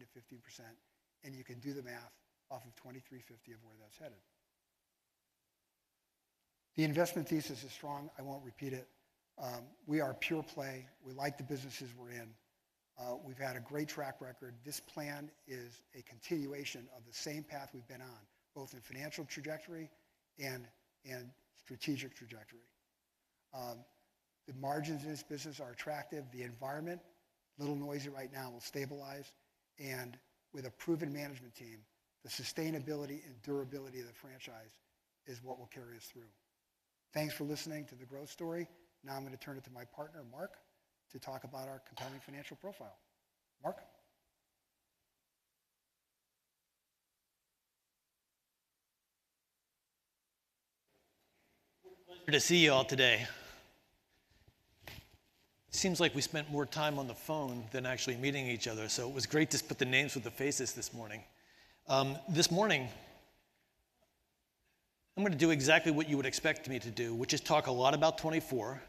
You can do the math off of $23.50 of where that's headed. The investment thesis is strong. I won't repeat it. We are pure play. We like the businesses we're in. We've had a great track record. This plan is a continuation of the same path we've been on, both in financial trajectory and strategic trajectory. The margins in this business are attractive. The environment, a little noisy right now, will stabilize, and with a proven management team, the sustainability and durability of the franchise is what will carry us through. Thanks for listening to the growth story. Now I'm going to turn it to my partner, Mark, to talk about our compelling financial profile. Mark. We're pleased to see you all today. Seems like we spent more time on the phone than actually meeting each other. So it was great to put the names with the faces this morning. This morning, I'm going to do exactly what you would expect me to do, which is talk a lot about 2024,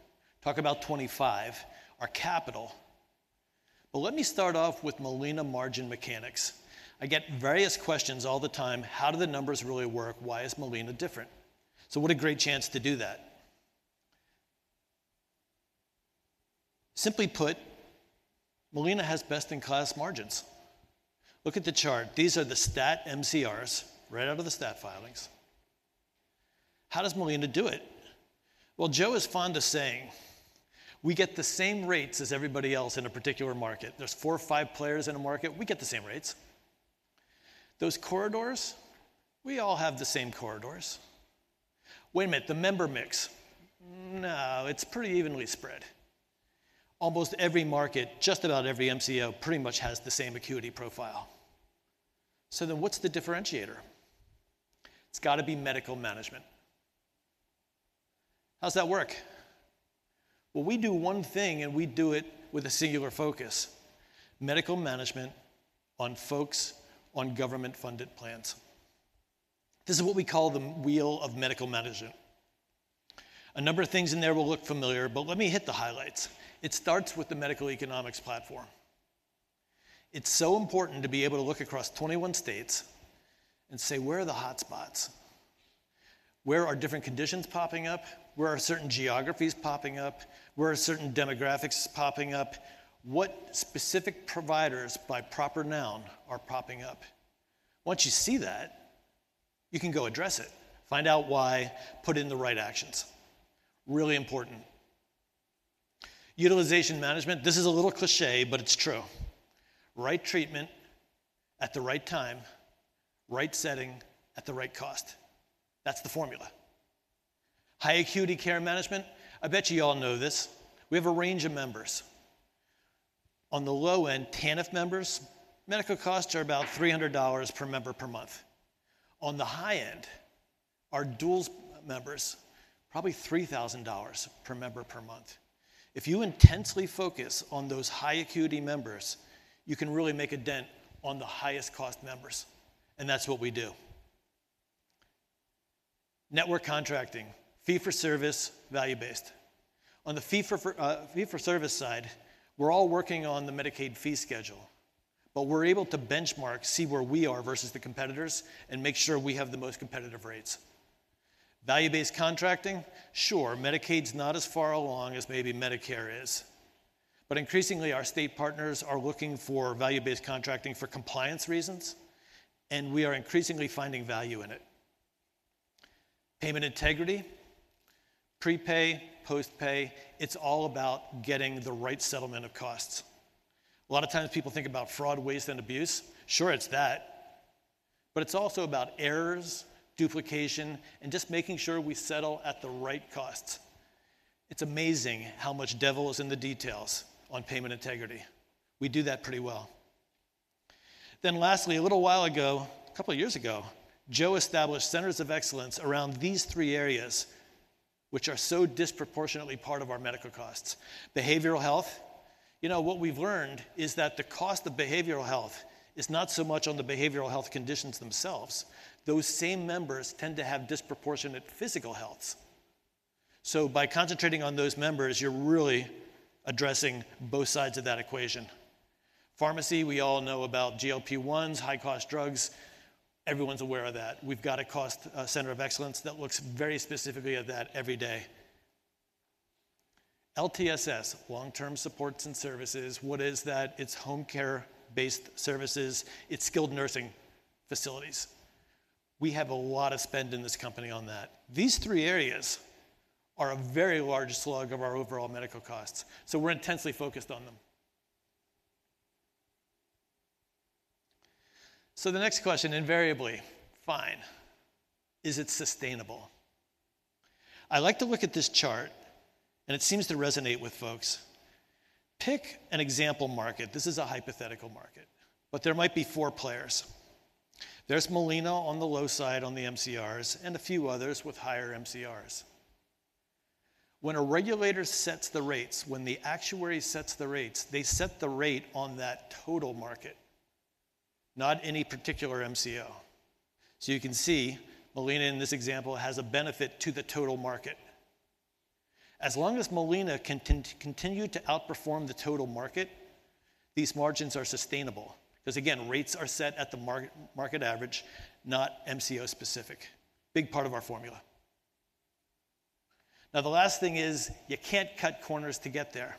talk about 2025, our capital. But let me start off with Molina margin mechanics. I get various questions all the time. How do the numbers really work? Why is Molina different? So what a great chance to do that. Simply put, Molina has best-in-class margins. Look at the chart. These are the stat MCRs right out of the stat filings. How does Molina do it? Well, Joe is fond of saying, "We get the same rates as everybody else in a particular market. There's four or five players in a market. We get the same rates." Those corridors, we all have the same corridors. Wait a minute, the member mix. No, it's pretty evenly spread. Almost every market, just about every MCO, pretty much has the same acuity profile. So then what's the differentiator? It's got to be medical management. How's that work? Well, we do one thing, and we do it with a singular focus: medical management on folks on government-funded plans. This is what we call the wheel of medical management. A number of things in there will look familiar, but let me hit the highlights. It starts with the medical economics platform. It's so important to be able to look across 21 states and say, "Where are the hotspots? Where are different conditions popping up? Where are certain geographies popping up? Where are certain demographics popping up? What specific providers, by proper noun, are popping up?" Once you see that, you can go address it, find out why, put in the right actions. Really important. Utilization management, this is a little cliché, but it's true. Right treatment at the right time, right setting at the right cost. That's the formula. High acuity care management, I bet you you all know this. We have a range of members. On the low end, TANF members, medical costs are about $300 per member per month. On the high end, our dual members, probably $3,000 per member per month. If you intensely focus on those high acuity members, you can really make a dent on the highest cost members. And that's what we do. Network contracting, fee for service, value-based. On the fee for service side, we're all working on the Medicaid fee schedule, but we're able to benchmark, see where we are versus the competitors, and make sure we have the most competitive rates. Value-based contracting, sure, Medicaid's not as far along as maybe Medicare is. But increasingly, our state partners are looking for value-based contracting for compliance reasons, and we are increasingly finding value in it. Payment integrity, prepay, postpay, it's all about getting the right settlement of costs. A lot of times people think about fraud, waste, and abuse. Sure, it's that. But it's also about errors, duplication, and just making sure we settle at the right costs. It's amazing how much devil is in the details on payment integrity. We do that pretty well. Then lastly, a little while ago, a couple of years ago, Joe established Centers of Excellence around these three areas, which are so disproportionately part of our medical costs. Behavioral health, you know what we've learned is that the cost of behavioral health is not so much on the behavioral health conditions themselves. Those same members tend to have disproportionate physical health. So by concentrating on those members, you're really addressing both sides of that equation. Pharmacy, we all know about GLP-1s, high-cost drugs. Everyone's aware of that. We've got a cost center of excellence that looks very specifically at that every day. LTSS, long-term supports and services, what is that? It's home care-based services. It's skilled nursing facilities. We have a lot of spend in this company on that. These three areas are a very large slug of our overall medical costs. So we're intensely focused on them. So the next question, invariably, fine, is it sustainable? I like to look at this chart, and it seems to resonate with folks. Pick an example market. This is a hypothetical market. But there might be four players. There's Molina on the low side on the MCRs and a few others with higher MCRs. When a regulator sets the rates, when the actuary sets the rates, they set the rate on that total market, not any particular MCO. So you can see Molina in this example has a benefit to the total market. As long as Molina can continue to outperform the total market, these margins are sustainable. Because again, rates are set at the market average, not MCO-specific. Big part of our formula. Now the last thing is you can't cut corners to get there.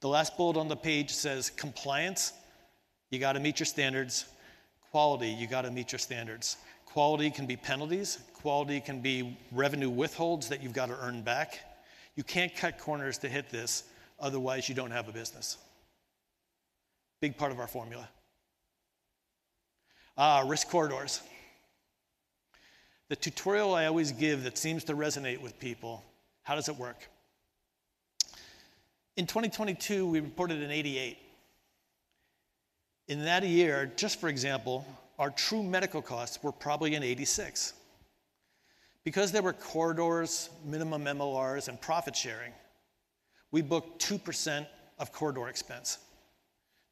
The last bullet on the page says, compliance, you got to meet your standards. Quality, you got to meet your standards. Quality can be penalties. Quality can be revenue withholds that you've got to earn back. You can't cut corners to hit this, otherwise you don't have a business. Big part of our formula. Risk corridors. The tutorial I always give that seems to resonate with people, how does it work? In 2022, we reported an 88%. In that year, just for example, our true medical costs were probably an 86%. Because there were corridors, minimum MLRs, and profit sharing, we booked 2% of corridor expense.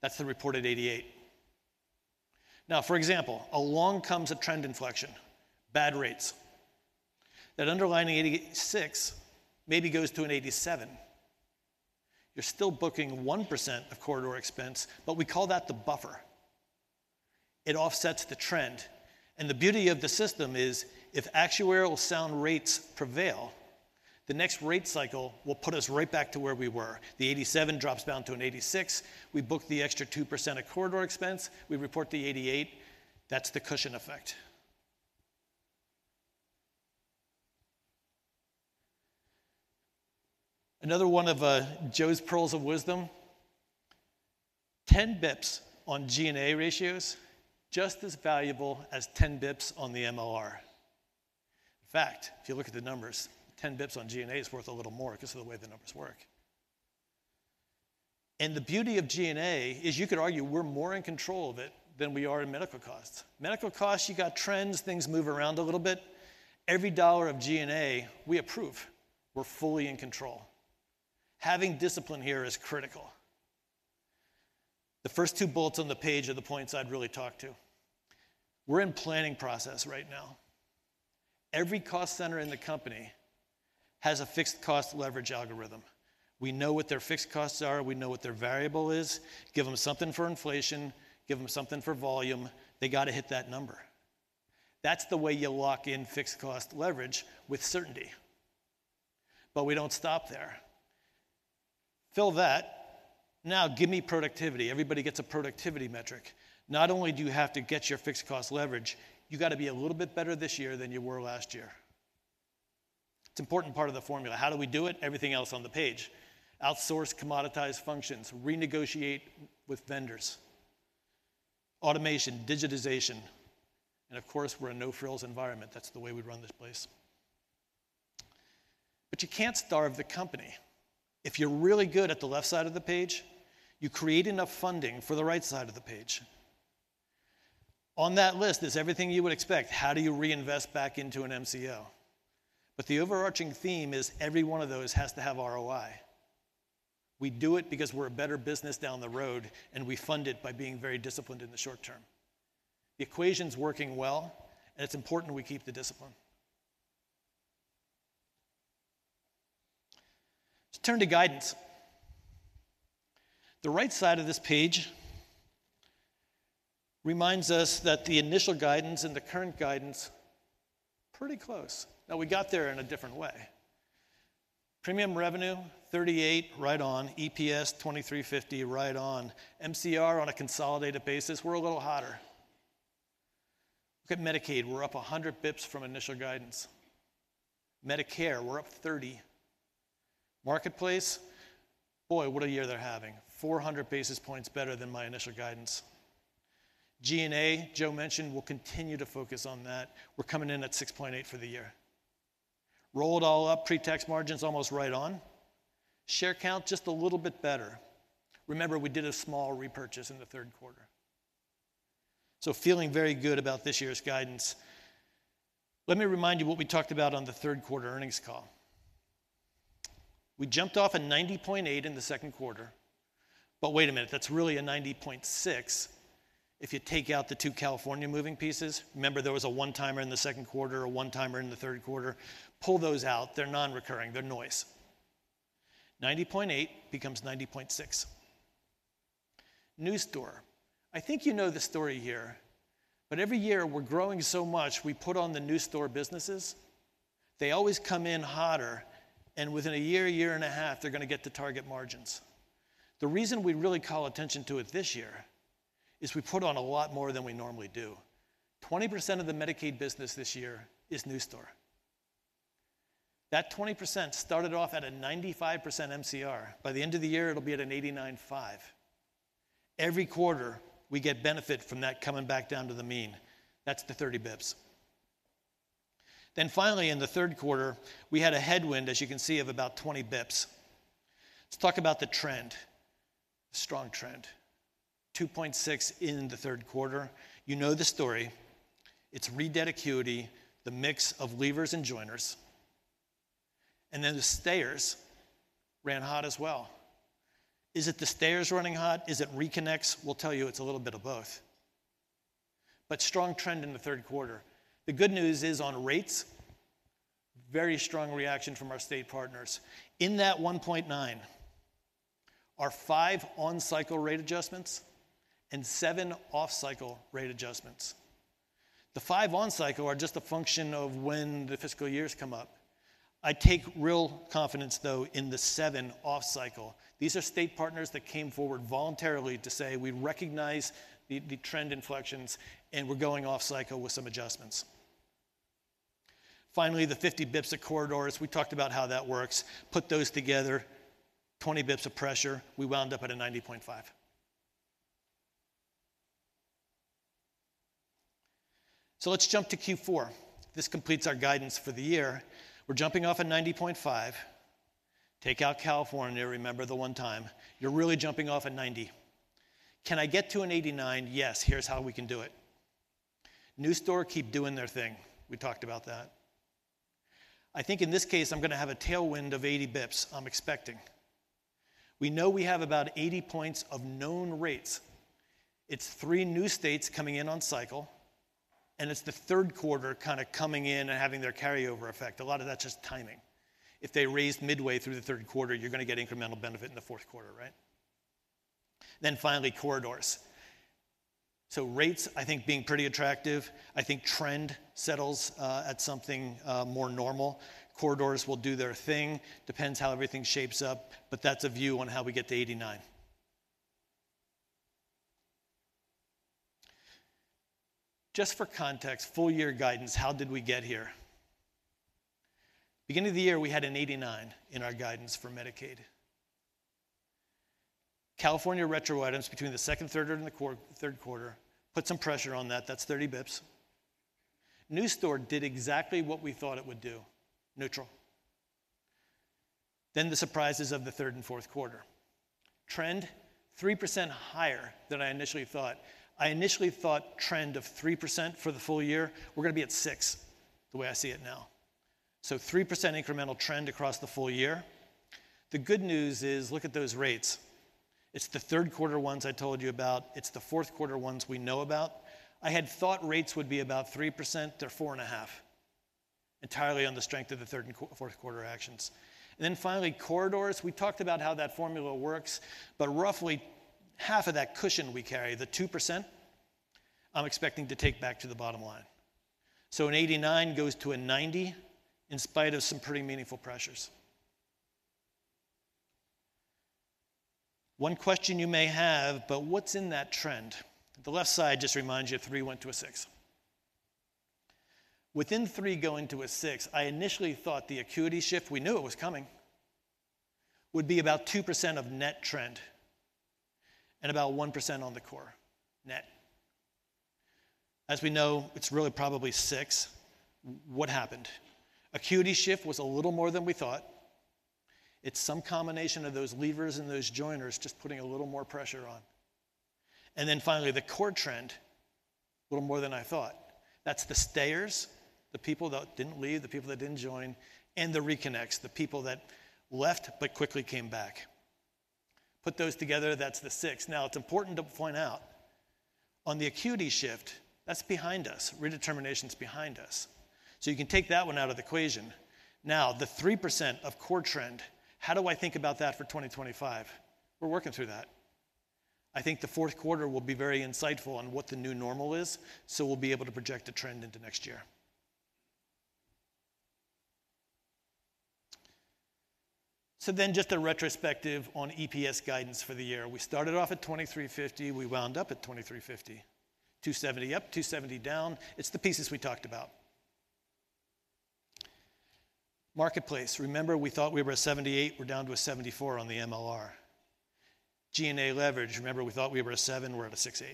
That's the reported 88. Now, for example, along comes a trend inflection, bad rates. That underlying 86% maybe goes to an 87%. You're still booking 1% of corridor expense, but we call that the buffer. It offsets the trend. The beauty of the system is if actuarially sound rates prevail, the next rate cycle will put us right back to where we were. The 87% drops down to an 86%. We book the extra 2% of corridor expense. We report the 88%. That's the cushion effect. Another one of Joe's pearls of wisdom, 10 bps on G&A ratios, just as valuable as 10 bps on the MLR. In fact, if you look at the numbers, 10 bps on G&A is worth a little more because of the way the numbers work. The beauty of G&A is you could argue we're more in control of it than we are in medical costs. Medical costs, you got trends, things move around a little bit. Every dollar of G&A, we approve. We're fully in control. Having discipline here is critical. The first two bullets on the page are the points I'd really talk to. We're in planning process right now. Every cost center in the company has a fixed cost leverage algorithm. We know what their fixed costs are. We know what their variable is. Give them something for inflation. Give them something for volume. They got to hit that number. That's the way you lock in fixed cost leverage with certainty, but we don't stop there. Fill that. Now give me productivity. Everybody gets a productivity metric. Not only do you have to get your fixed cost leverage, you got to be a little bit better this year than you were last year. It's an important part of the formula. How do we do it? Everything else on the page. Outsource, commoditize functions, renegotiate with vendors. Automation, digitization, and of course, we're a no-frills environment. That's the way we run this place, but you can't starve the company. If you're really good at the left side of the page, you create enough funding for the right side of the page. On that list is everything you would expect. How do you reinvest back into an MCO? The overarching theme is every one of those has to have ROI. We do it because we're a better business down the road, and we fund it by being very disciplined in the short term. The equation's working well, and it's important we keep the discipline. Let's turn to guidance. The right side of this page reminds us that the initial guidance and the current guidance are pretty close. Now we got there in a different way. Premium revenue, $38 right on. EPS, $23.50 right on. MCR on a consolidated basis, we're a little hotter. Look at Medicaid. We're up 100 bps from initial guidance. Medicare, we're up 30. Marketplace, boy, what a year they're having. 400 basis points better than my initial guidance. G&A, Joe mentioned, we'll continue to focus on that. We're coming in at 6.8% for the year. Rolled all up, pre-tax margins almost right on. Share count just a little bit better. Remember, we did a small repurchase in the third quarter. So feeling very good about this year's guidance. Let me remind you what we talked about on the third quarter earnings call. We jumped off at 90.8% in the second quarter. But wait a minute, that's really a 90.6% if you take out the two California moving pieces. Remember, there was a one-timer in the second quarter, a one-timer in the third quarter. Pull those out. They're non-recurring. They're noise. 90.8% becomes 90.6%. New store. I think you know the story here, but every year we're growing so much, we put on the new state businesses. They always come in hotter, and within a year, year and a half, they're going to get to target margins. The reason we really call attention to it this year is we put on a lot more than we normally do. 20% of the Medicaid business this year is new state. That 20% started off at a 95% MCR. By the end of the year, it'll be at an 89.5%. Every quarter, we get benefit from that coming back down to the mean. That's the 30 bps. Then finally, in the third quarter, we had a headwind, as you can see, of about 20 bps. Let's talk about the trend. Strong trend. 2.6% in the third quarter. You know the story. It's redetermination acuity, the mix of leavers and joiners. Then the stayers ran hot as well. Is it the stayers running hot? Is it reconnects? We'll tell you it's a little bit of both. Strong trend in the third quarter. The good news is on rates, very strong reaction from our state partners. In that 1.9%, our five on-cycle rate adjustments and seven off-cycle rate adjustments. The five on-cycle are just a function of when the fiscal years come up. I take real confidence, though, in the seven off-cycle. These are state partners that came forward voluntarily to say, "We recognize the trend inflections, and we're going off-cycle with some adjustments." Finally, the 50 bps of corridors. We talked about how that works. Put those together, 20 bps of pressure. We wound up at a 90.5%. Let's jump to Q4. This completes our guidance for the year. We're jumping off at 90.5%. Take out California. Remember the one time. You're really jumping off at 90%. Can I get to an 89%? Yes. Here's how we can do it. New states keep doing their thing. We talked about that. I think in this case, I'm going to have a tailwind of 80 bps. I'm expecting. We know we have about 80 points of known rates. It's three new states coming in on cycle, and it's the third quarter kind of coming in and having their carryover effect. A lot of that's just timing. If they raise midway through the third quarter, you're going to get incremental benefit in the fourth quarter, right? Then finally, corridors. So rates, I think, being pretty attractive. I think trend settles at something more normal. Corridors will do their thing. Depends how everything shapes up, but that's a view on how we get to 89%. Just for context, full year guidance, how did we get here? Beginning of the year, we had an 89% in our guidance for Medicaid. California retro items between the second, third, and the fourth quarter. Put some pressure on that. That's 30 bps. New store did exactly what we thought it would do. Neutral. Then the surprises of the third and fourth quarter. Trend 3% higher than I initially thought. I initially thought trend of 3% for the full year. We're going to be at 6% the way I see it now. So 3% incremental trend across the full year. The good news is, look at those rates. It's the third quarter ones I told you about. It's the fourth quarter ones we know about. I had thought rates would be about 3% or 4.5%, entirely on the strength of the third and fourth quarter actions. And then finally, corridors. We talked about how that formula works, but roughly half of that cushion we carry, the 2%, I'm expecting to take back to the bottom line. So an 89% goes to a 90% in spite of some pretty meaningful pressures. One question you may have, but what's in that trend? The left side just reminds you of three went to a six. Within three going to a six, I initially thought the acuity shift (we knew it was coming) would be about 2% of net trend and about 1% on the core net. As we know, it's really probably six. What happened? Acuity shift was a little more than we thought. It's some combination of those leavers and those joiners just putting a little more pressure on. And then finally, the core trend, a little more than I thought. That's the stayers, the people that didn't leave, the people that didn't join, and the reconnects, the people that left but quickly came back. Put those together, that's the six. Now, it's important to point out, on the acuity shift, that's behind us. Redetermination's behind us. So you can take that one out of the equation. Now, the 3% of core trend, how do I think about that for 2025? We're working through that. I think the fourth quarter will be very insightful on what the new normal is, so we'll be able to project a trend into next year. So then just a retrospective on EPS guidance for the year. We started off at $23.50. We wound up at $23.50. $2.70 up, $2.70 down. It's the pieces we talked about. Marketplace. Remember, we thought we were at 78%. We're down to a 74% on the MLR. G&A leverage. Remember, we thought we were at 7%. We're at a 6.8%.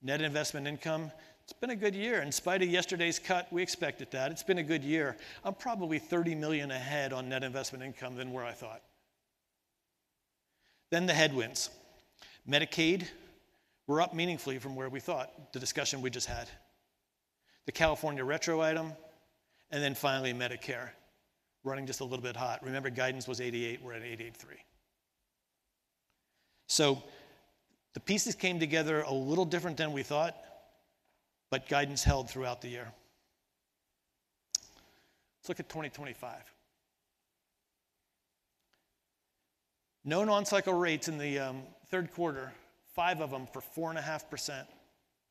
Net investment income. It's been a good year. In spite of yesterday's cut, we expected that. It's been a good year. I'm probably $30 million ahead on net investment income than where I thought. Then the headwinds. Medicaid. We're up meaningfully from where we thought. The discussion we just had. The California retro item. And then finally, Medicare. Running just a little bit hot. Remember, guidance was 88%. We're at 88.3%. So the pieces came together a little different than we thought, but guidance held throughout the year. Let's look at 2025. Known on-cycle rates in the third quarter, five of them for 4.5%.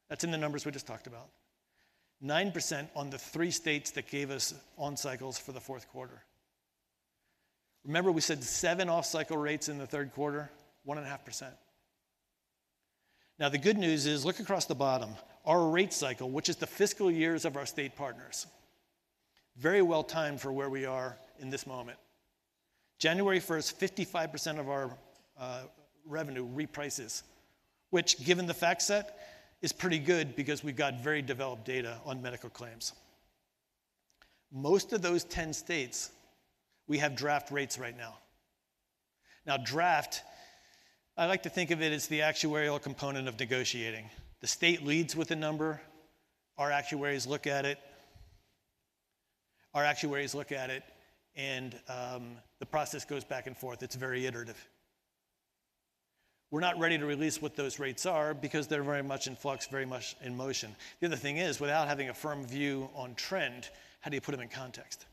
That's in the numbers we just talked about. 9% on the three states that gave us on-cycles for the fourth quarter. Remember, we said seven off-cycle rates in the third quarter, 1.5%. Now, the good news is, look across the bottom. Our rate cycle, which is the fiscal years of our state partners, very well timed for where we are in this moment. January 1st, 55% of our revenue reprices, which, given the fact set, is pretty good because we've got very developed data on medical claims. Most of those 10 states, we have draft rates right now. Now, draft, I like to think of it as the actuarial component of negotiating. The state leads with a number. Our actuaries look at it. Our actuaries look at it, and the process goes back and forth. It's very iterative. We're not ready to release what those rates are because they're very much in flux, very much in motion. The other thing is, without having a firm view on trend, how do you put them in context?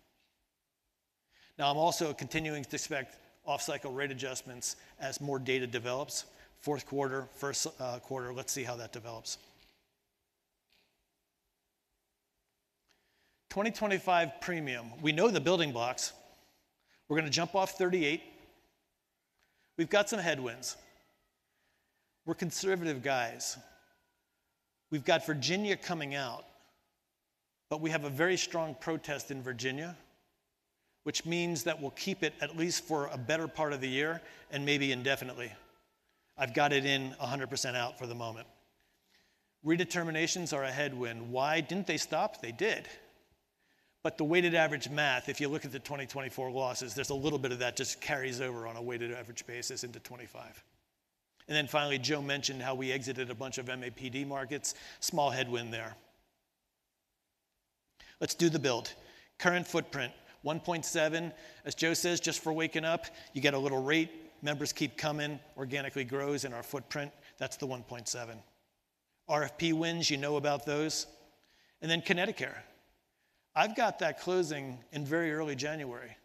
Now, I'm also continuing to expect off-cycle rate adjustments as more data develops. Fourth quarter, first quarter, let's see how that develops. 2025 premium. We know the building blocks. We're going to jump off 38. We've got some headwinds. We're conservative guys. We've got Virginia coming out, but we have a very strong protest in Virginia, which means that we'll keep it at least for a better part of the year and maybe indefinitely. I've got it in 100% out for the moment. Redeterminations are a headwind. Why? Didn't they stop? They did. But the weighted average math, if you look at the 2024 losses, there's a little bit of that just carries over on a weighted average basis into 2025. And then finally, Joe mentioned how we exited a bunch of MAPD markets. Small headwind there. Let's do the build. Current footprint, $1.7 billion. As Joe says, just for waking up, you get a little rate. Members keep coming. Organically grows in our footprint. That's the $1.7 billion. RFP wins. You know about those. And then ConnectiCare. I've got that closing in very early January,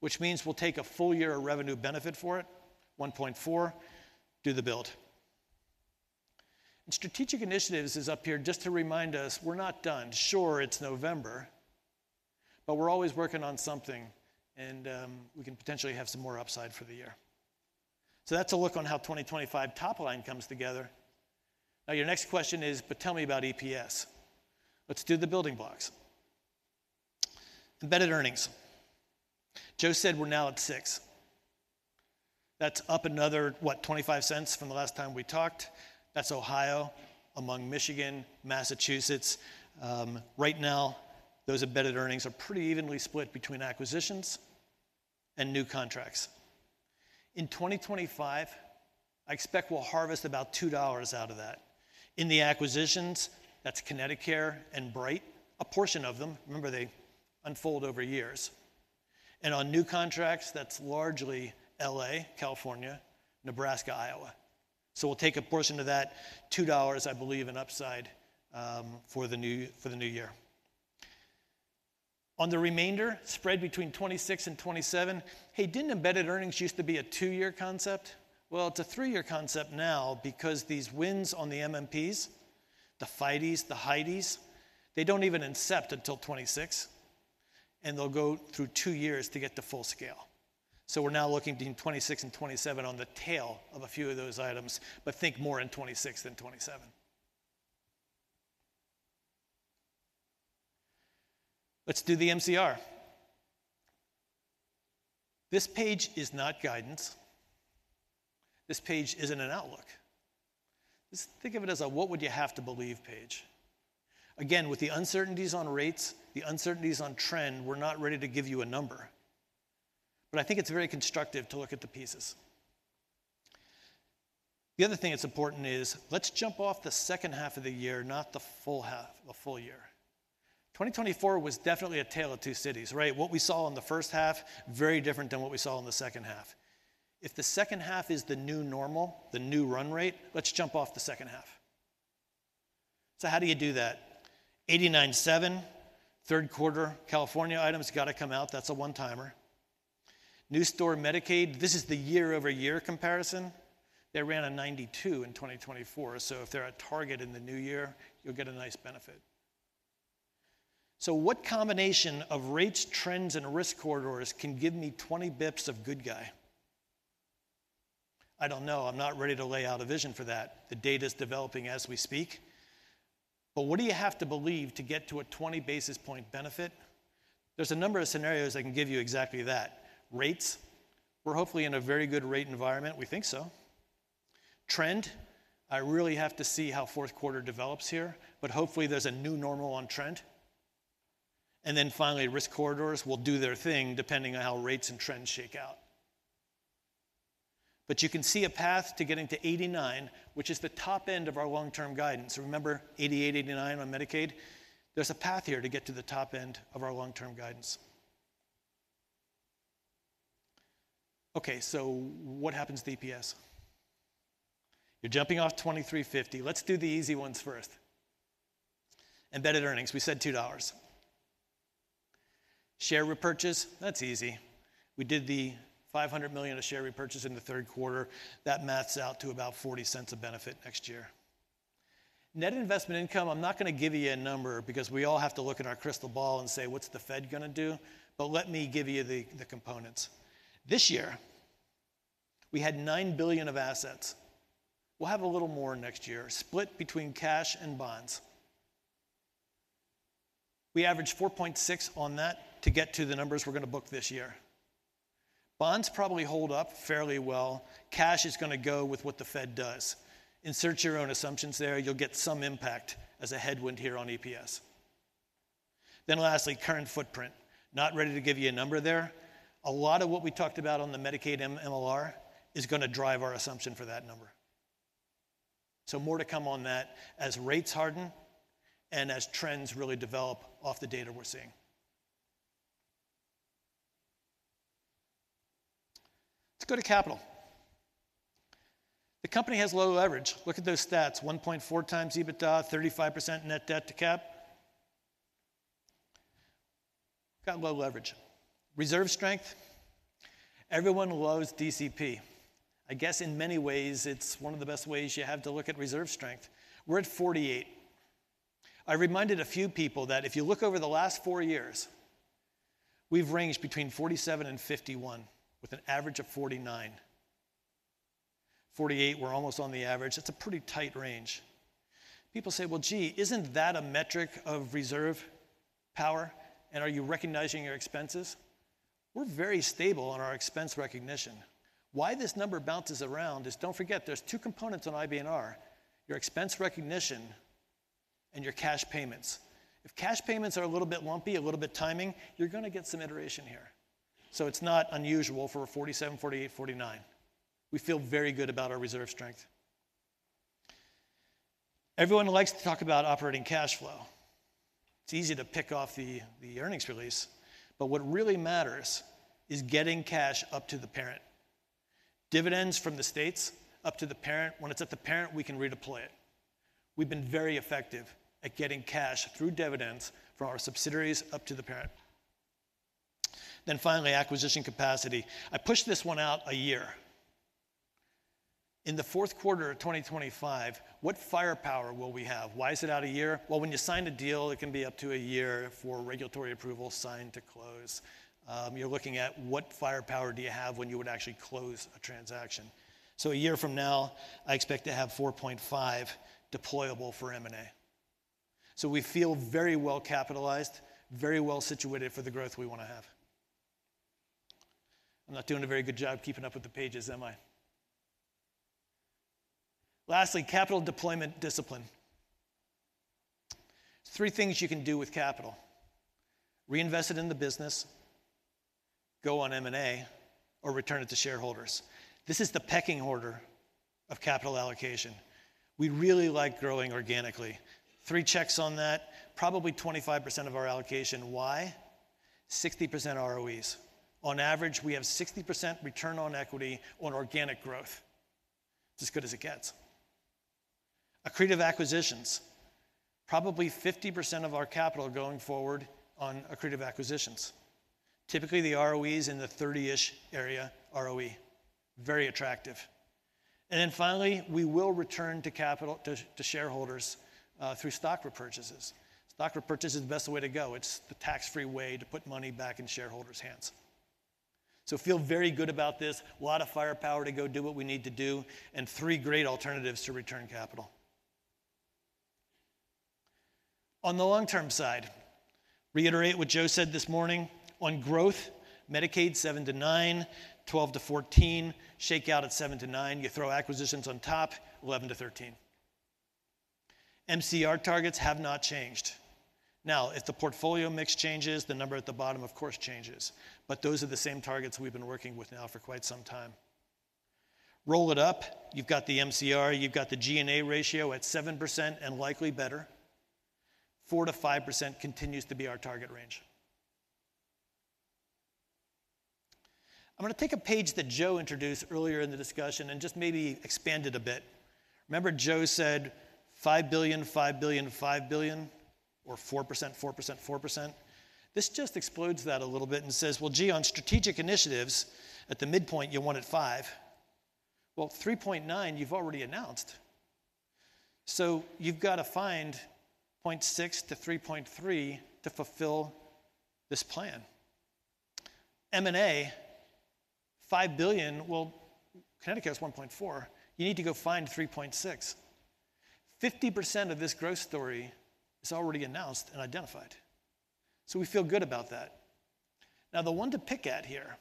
which means we'll take a full year of revenue benefit for it. $1.4 billion. Do the build. And strategic initiatives is up here just to remind us we're not done. Sure, it's November, but we're always working on something, and we can potentially have some more upside for the year. So that's a look on how 2025 top line comes together. Now, your next question is, but tell me about EPS. Let's do the building blocks. Embedded earnings. Joe said we're now at six. That's up another, what, $0.25 from the last time we talked? That's Ohio and Michigan, Massachusetts. Right now, those embedded earnings are pretty evenly split between acquisitions and new contracts. In 2025, I expect we'll harvest about $2 out of that. In the acquisitions, that's ConnectiCare and Bright, a portion of them. Remember, they unfold over years. And on new contracts, that's largely LA, California, Nebraska, Iowa. So we'll take a portion of that, $2, I believe, in upside for the new year. On the remainder, spread between 2026 and 2027, hey, didn't embedded earnings used to be a two-year concept? Well, it's a three-year concept now because these wins on the MMPs, the FIDE-SNPs, the HIDE-SNPs, they don't even incept until 2026, and they'll go through two years to get to full scale. We're now looking to 2026 and 2027 on the tail of a few of those items, but think more in 2026 than 2027. Let's do the MCR. This page is not guidance. This page isn't an outlook. Think of it as a what-would-you-have-to-believe page. Again, with the uncertainties on rates, the uncertainties on trend, we're not ready to give you a number. But I think it's very constructive to look at the pieces. The other thing that's important is, let's jump off the second half of the year, not the full half of a full year. 2024 was definitely a tale of two cities, right? What we saw in the first half, very different than what we saw in the second half. If the second half is the new normal, the new run rate, let's jump off the second half. So how do you do that? 89.7%, third quarter, California items got to come out. That's a one-timer. New store Medicaid, this is the year-over-year comparison. They ran a 92% in 2024. So if they're at target in the new year, you'll get a nice benefit. So what combination of rates, trends, and risk corridors can give me 20 bps of good guy? I don't know. I'm not ready to lay out a vision for that. The data's developing as we speak. But what do you have to believe to get to a 20 basis point benefit? There's a number of scenarios I can give you exactly that. Rates. We're hopefully in a very good rate environment. We think so. Trend. I really have to see how fourth quarter develops here, but hopefully there's a new normal on trend. And then finally, risk corridors will do their thing depending on how rates and trends shake out. But you can see a path to getting to 89%, which is the top end of our long-term guidance. Remember, 88%, 89% on Medicaid? There's a path here to get to the top end of our long-term guidance. Okay, so what happens to EPS? You're jumping off $23.50. Let's do the easy ones first. Embedded earnings. We said $2. Share repurchase. That's easy. We did the $500 million of share repurchase in the third quarter. That maps out to about $0.40 of benefit next year. Net investment income, I'm not going to give you a number because we all have to look at our crystal ball and say, "What's the Fed going to do?" But let me give you the components. This year, we had $9 billion of assets. We'll have a little more next year, split between cash and bonds. We averaged 4.6% on that to get to the numbers we're going to book this year. Bonds probably hold up fairly well. Cash is going to go with what the Fed does. Insert your own assumptions there. You'll get some impact as a headwind here on EPS. Then lastly, current footprint. Not ready to give you a number there. A lot of what we talked about on the Medicaid MLR is going to drive our assumption for that number. So more to come on that as rates harden and as trends really develop off the data we're seeing. Let's go to capital. The company has low leverage. Look at those stats. 1.4 times EBITDA, 35% net debt to cap. Got low leverage. Reserve strength. Everyone loves DCP. I guess in many ways, it's one of the best ways you have to look at reserve strength. We're at 48. I reminded a few people that if you look over the last four years, we've ranged between 47 and 51 with an average of 49. 48, we're almost on the average. It's a pretty tight range. People say, "Well, gee, isn't that a metric of reserve power? And are you recognizing your expenses?" We're very stable on our expense recognition. Why this number bounces around is don't forget, there's two components on IBNR. Your expense recognition and your cash payments. If cash payments are a little bit lumpy, a little bit timing, you're going to get some iteration here. So it's not unusual for 47, 48, 49. We feel very good about our reserve strength. Everyone likes to talk about operating cash flow. It's easy to pick off the earnings release, but what really matters is getting cash up to the parent. Dividends from the states up to the parent. When it's at the parent, we can redeploy it. We've been very effective at getting cash through dividends from our subsidiaries up to the parent. Then finally, acquisition capacity. I pushed this one out a year. In the fourth quarter of 2025, what firepower will we have? Why is it out a year? Well, when you sign a deal, it can be up to a year for regulatory approval signed to close. You're looking at what firepower do you have when you would actually close a transaction. So a year from now, I expect to have $4.5 billion deployable for M&A. So we feel very well capitalized, very well situated for the growth we want to have. I'm not doing a very good job keeping up with the pages, am I? Lastly, capital deployment discipline. Three things you can do with capital. Reinvest it in the business, go on M&A, or return it to shareholders. This is the pecking order of capital allocation. We really like growing organically. Three checks on that, probably 25% of our allocation. Why? 60% ROEs. On average, we have 60% return on equity on organic growth. It's as good as it gets. Accretive acquisitions. Probably 50% of our capital going forward on accretive acquisitions. Typically, the ROE is in the 30-ish area ROE. Very attractive. And then finally, we will return to shareholders through stock repurchases. Stock repurchase is the best way to go. It's the tax-free way to put money back in shareholders' hands. So feel very good about this. A lot of firepower to go do what we need to do and three great alternatives to return capital. On the long-term side, reiterate what Joe said this morning. On growth, Medicaid 7%-9%, 12%-14%, shakeout at 7%-9%. You throw acquisitions on top,. MCR targets have not changed. Now, if the portfolio mix changes, the number at the bottom, of course, changes. But those are the same targets we've been working with now for quite some time. Roll it up. You've got the MCR. You've got the G&A ratio at 7% and likely better. 4%-5% continues to be our target range. I'm going to take a page that Joe introduced earlier in the discussion and just maybe expand it a bit. Remember, Joe said $5 billion, $5 billion, $5 billion, or 4%, 4%, 4%. This just explodes that a little bit and says, "Well, gee, on strategic initiatives at the midpoint, you wanted 5%." Well, 3.9%, you've already announced. So you've got to find $0.6 billion-$3.3 billion to fulfill this plan. M&A, $5 billion. Well, Connecticut is $1.4 billion. You need to go find $3.6 billion. 50% of this growth story is already announced and identified. So we feel good about that. Now, the one to pick at here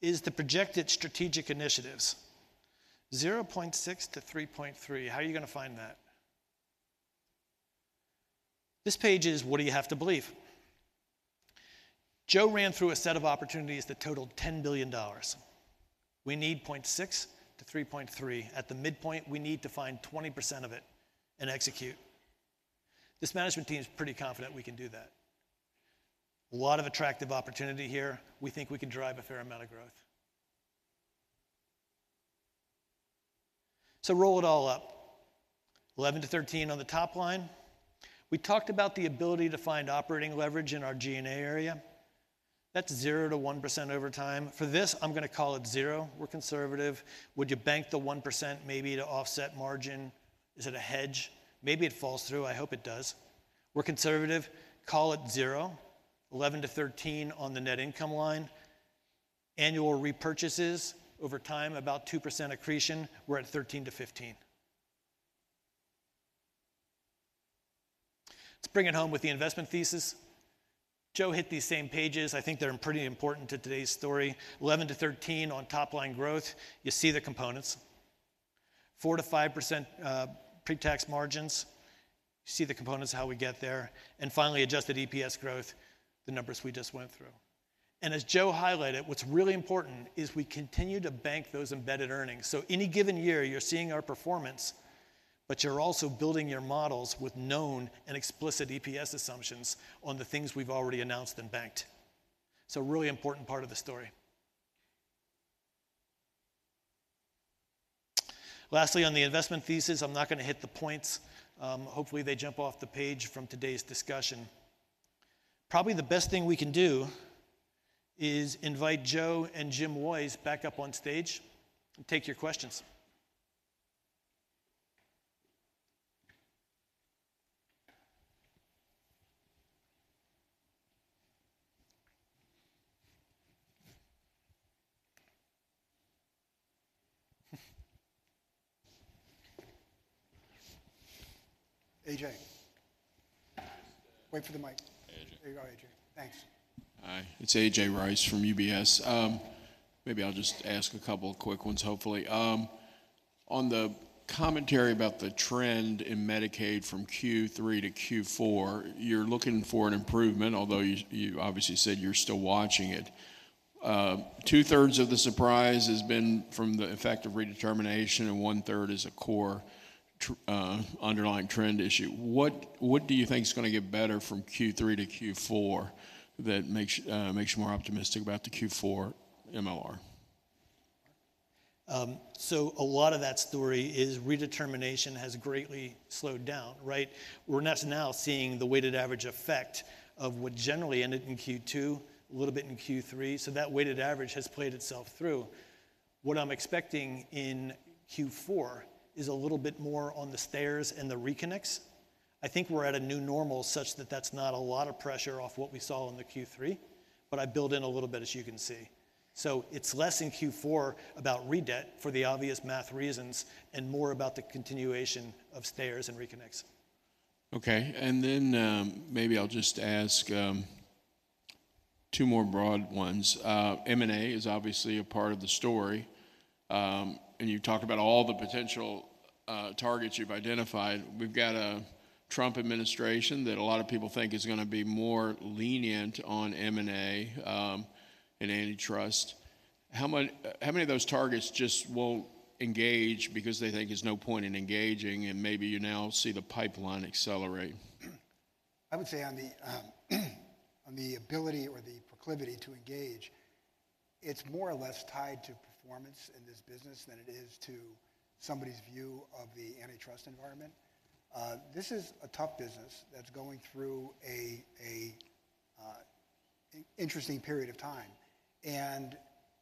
is the projected strategic initiatives. $0.6 billion-$3.3 billion. How are you going to find that? This page is what do you have to believe? Joe ran through a set of opportunities that totaled $10 billion. We need $0.6 billion-$3.3 billion. At the midpoint, we need to find 20% of it and execute. This management team is pretty confident we can do that. A lot of attractive opportunity here. We think we can drive a fair amount of growth. So roll it all up. 11%-13% on the top line. We talked about the ability to find operating leverage in our G&A area. That's 0%-1% over time. For this, I'm going to call it 0%. We're conservative. Would you bank the 1% maybe to offset margin? Is it a hedge? Maybe it falls through. I hope it does. We're conservative. Call it 0%. 11%-13% on the net income line. Annual repurchases over time, about 2% accretion. We're at 13%-15%. Let's bring it home with the investment thesis. Joe hit these same pages. I think they're pretty important to today's story. 11%-13% on top line growth. You see the components. 4%-5% pre-tax margins. You see the components, how we get there. And finally, adjusted EPS growth, the numbers we just went through. And as Joe highlighted, what's really important is we continue to bank those embedded earnings. So any given year, you're seeing our performance, but you're also building your models with known and explicit EPS assumptions on the things we've already announced and banked. So a really important part of the story. Lastly, on the investment thesis, I'm not going to hit the points. Hopefully, they jump off the page from today's discussion. Probably the best thing we can do is invite Joe and Jim Woys back up on stage and take your questions. A.J. Wait for the mic. There you go, A.J. Thanks. Hi. It's A.J. Rice from UBS. Maybe I'll just ask a couple of quick ones, hopefully. On the commentary about the trend in Medicaid from Q3 to Q4, you're looking for an improvement, although you obviously said you're still watching it. Two-thirds of the surprise has been from the effect of redetermination, and one-third is a core underlying trend issue. What do you think is going to get better from Q3 to Q4 that makes you more optimistic about the Q4 MLR? So a lot of that story is redetermination has greatly slowed down, right? We're now seeing the weighted average effect of what generally ended in Q2, a little bit in Q3. So that weighted average has played itself through. What I'm expecting in Q4 is a little bit more on the stayers and the reconnects. I think we're at a new normal such that that's not a lot of pressure off what we saw in the Q3, but I build in a little bit, as you can see. So it's less in Q4 about redetermination for the obvious math reasons and more about the continuation of stayers and reconnects. Okay. And then maybe I'll just ask two more broad ones. M&A is obviously a part of the story. And you talk about all the potential targets you've identified. We've got a Trump administration that a lot of people think is going to be more lenient on M&A and antitrust. How many of those targets just won't engage because they think there's no point in engaging, and maybe you now see the pipeline accelerate? I would say on the ability or the proclivity to engage, it's more or less tied to performance in this business than it is to somebody's view of the antitrust environment. This is a tough business that's going through an interesting period of time. And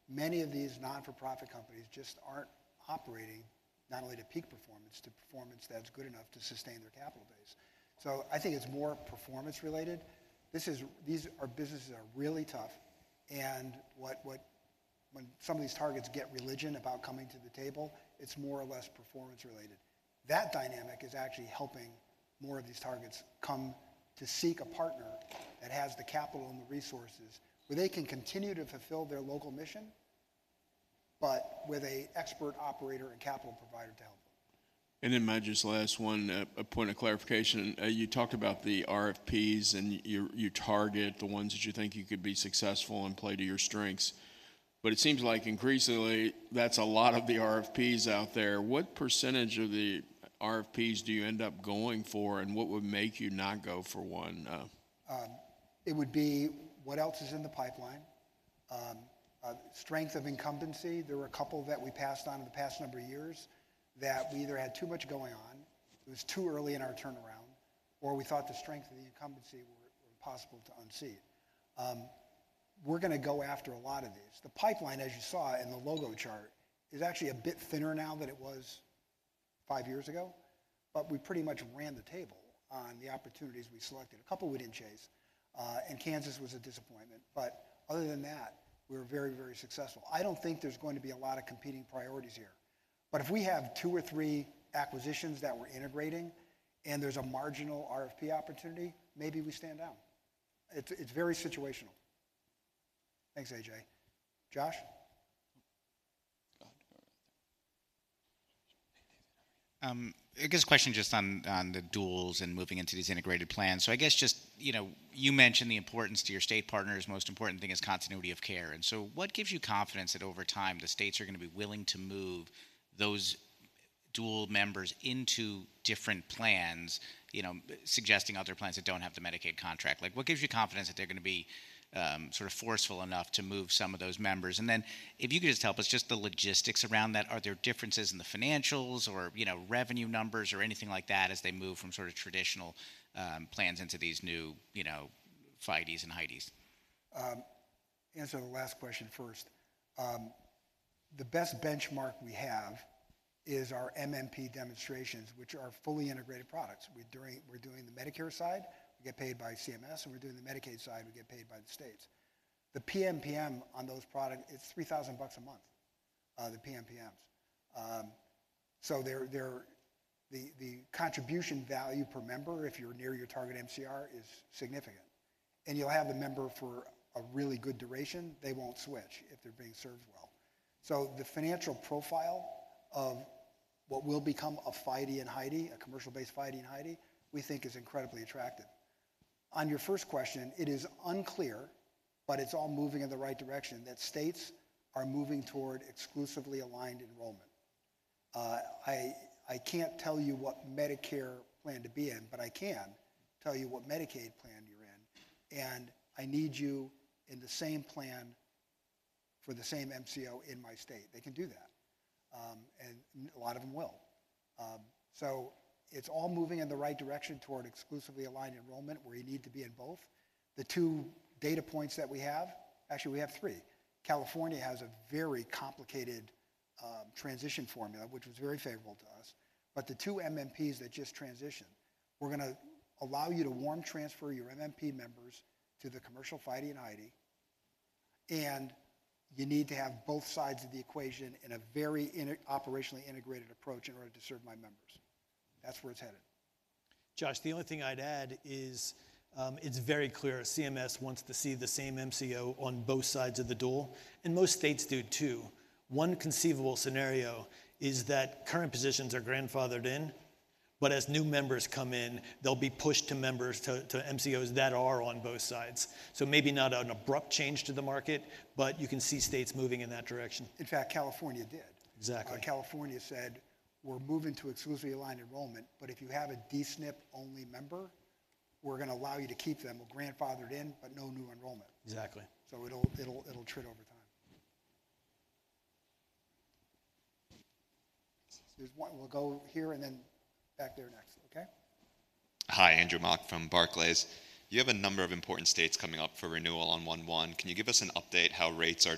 many of these not-for-profit companies just aren't operating not only to peak performance, to performance that's good enough to sustain their capital base. So I think it's more performance-related. These businesses are really tough. And when some of these targets get religion about coming to the table, it's more or less performance-related. That dynamic is actually helping more of these targets come to seek a partner that has the capital and the resources where they can continue to fulfill their local mission, but with an expert operator and capital provider to help them. And then my just last one, a point of clarification. You talked about the RFPs and you target the ones that you think you could be successful and play to your strengths. But it seems like increasingly that's a lot of the RFPs out there. What percentage of the RFPs do you end up going for, and what would make you not go for one? It would be what else is in the pipeline. Strength of incumbency. There were a couple that we passed on in the past number of years that we either had too much going on, it was too early in our turnaround, or we thought the strength of the incumbency were impossible to unseat. We're going to go after a lot of these. The pipeline, as you saw in the logo chart, is actually a bit thinner now than it was five years ago, but we pretty much ran the table on the opportunities we selected. A couple we didn't chase, and Kansas was a disappointment. But other than that, we were very, very successful. I don't think there's going to be a lot of competing priorities here. But if we have two or three acquisitions that we're integrating and there's a marginal RFP opportunity, maybe we stand down. It's very situational. Thanks, A.J. Josh? I guess a question just on the duals and moving into these integrated plans. So I guess just you mentioned the importance to your state partners. Most important thing is continuity of care. And so what gives you confidence that over time the states are going to be willing to move those dual members into different plans, suggesting other plans that don't have the Medicaid contract? What gives you confidence that they're going to be sort of forceful enough to move some of those members? And then if you could just tell us just the logistics around that, are there differences in the financials or revenue numbers or anything like that as they move from sort of traditional plans into these new FIDEs and HIDEs? Answer the last question first. The best benchmark we have is our MMP demonstrations, which are fully integrated products. We're doing the Medicare side. We get paid by CMS, and we're doing the Medicaid side. We get paid by the states. The PMPM on those products, it's $3,000 a month, the PMPMs. So the contribution value per member, if you're near your target MCR, is significant. And you'll have the member for a really good duration. They won't switch if they're being served well. So the financial profile of what will become a FIDE and HIDE, a commercial-based FIDE and HIDE, we think is incredibly attractive. On your first question, it is unclear, but it's all moving in the right direction that states are moving toward exclusively aligned enrollment. I can't tell you what Medicare plan to be in, but I can tell you what Medicaid plan you're in. And I need you in the same plan for the same MCO in my state. They can do that. And a lot of them will. So it's all moving in the right direction toward exclusively aligned enrollment where you need to be in both. The two data points that we have, actually we have three. California has a very complicated transition formula, which was very favorable to us. But the two MMPs that just transitioned, we're going to allow you to warm transfer your MMP members to the commercial FIDE and HIDE, and you need to have both sides of the equation in a very operationally integrated approach in order to serve my members. That's where it's headed. Josh, the only thing I'd add is it's very clear CMS wants to see the same MCO on both sides of the dual. And most states do too. One conceivable scenario is that current positions are grandfathered in, but as new members come in, they'll be pushed to members to MCOs that are on both sides. So maybe not an abrupt change to the market, but you can see states moving in that direction. In fact, California did. Exactly. California said, "We're moving to exclusively aligned enrollment, but if you have a D-SNP-only member, we're going to allow you to keep them grandfathered in, but no new enrollment." Exactly. So it'll trade over time. We'll go here and then back there next, okay? Hi, Andrew Mok from Barclays. You have a number of important states coming up for renewal on 1/1. Can you give us an update how rates are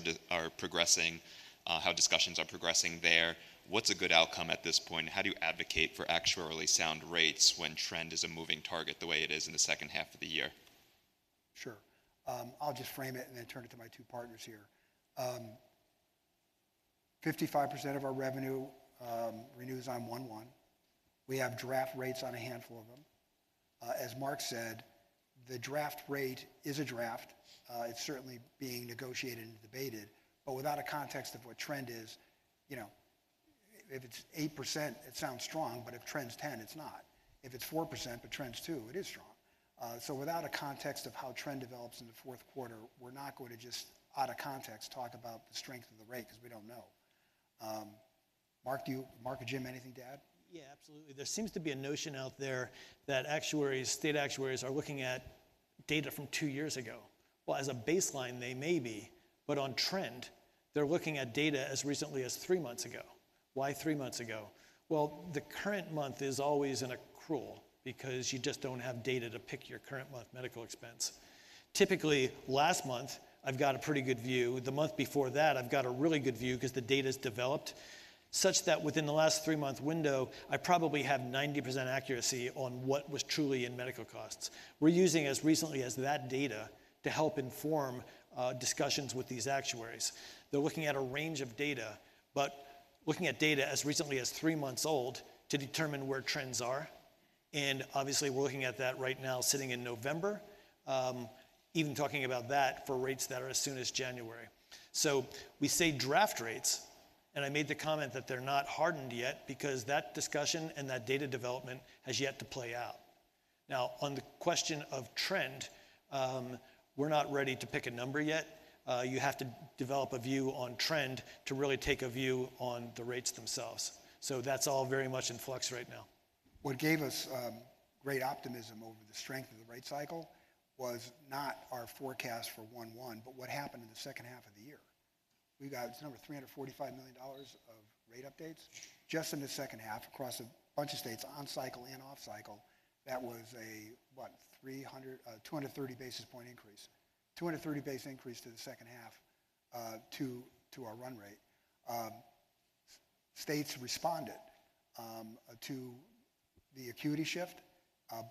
progressing, how discussions are progressing there? What's a good outcome at this point? How do you advocate for actually sound rates when trend is a moving target the way it is in the second half of the year? Sure. I'll just frame it and then turn it to my two partners here. 55% of our revenue renews on 1/1. We have draft rates on a handful of them. As Mark said, the draft rate is a draft. It's certainly being negotiated and debated. But without a context of what trend is, if it's 8%, it sounds strong, but if trend's 10%, it's not. If it's 4%, but trend's 2%, it is strong. So without a context of how trend develops in the fourth quarter, we're not going to just out of context talk about the strength of the rate because we don't know. Mark, do you? Mark or Jim, anything to add? Yeah, absolutely. There seems to be a notion out there that actuaries, state actuaries, are looking at data from two years ago. Well, as a baseline, they may be, but on trend, they're looking at data as recently as three months ago. Why three months ago? Well, the current month is always in an accrual because you just don't have data to pick your current month medical expense. Typically, last month, I've got a pretty good view. The month before that, I've got a really good view because the data's developed such that within the last three-month window, I probably have 90% accuracy on what was truly in medical costs. We're using as recently as that data to help inform discussions with these actuaries. They're looking at a range of data, but looking at data as recently as three months old to determine where trends are. Obviously, we're looking at that right now sitting in November, even talking about that for rates that are as soon as January. We say draft rates, and I made the comment that they're not hardened yet because that discussion and that data development has yet to play out. Now, on the question of trend, we're not ready to pick a number yet. You have to develop a view on trend to really take a view on the rates themselves. That's all very much in flux right now. What gave us great optimism over the strength of the rate cycle was not our forecast for 1/1, but what happened in the second half of the year. We got. It's $345 million of rate updates just in the second half across a bunch of states on cycle and off cycle. That was a, what, 230 basis point increase, 230 basis increase to the second half to our run rate. States responded to the acuity shift,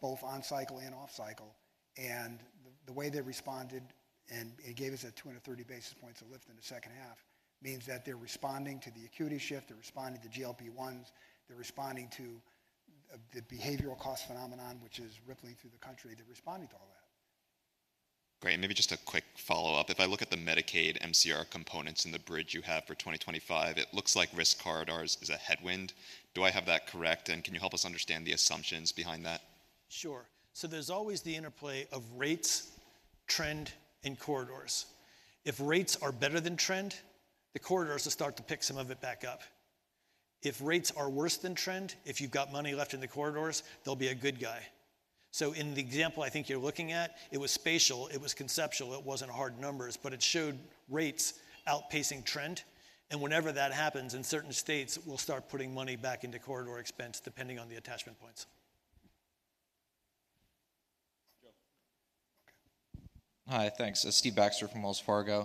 both on cycle and off cycle, and the way they responded and gave us 230 basis points of lift in the second half means that they're responding to the acuity shift, they're responding to GLP-1s, they're responding to the behavioral cost phenomenon, which is rippling through the country. They're responding to all that. Great. And maybe just a quick follow-up. If I look at the Medicaid MCR components in the bridge you have for 2025, it looks like risk corridors is a headwind. Do I have that correct? And can you help us understand the assumptions behind that? Sure. So there's always the interplay of rates, trend, and corridors. If rates are better than trend, the corridors will start to pick some of it back up. If rates are worse than trend, if you've got money left in the corridors, they'll be a good guy. So in the example I think you're looking at, it was spatial, it was conceptual, it wasn't hard numbers, but it showed rates outpacing trend. And whenever that happens in certain states, we'll start putting money back into corridor expense depending on the attachment points. Okay. Hi, thanks. Steve Baxter from Wells Fargo. I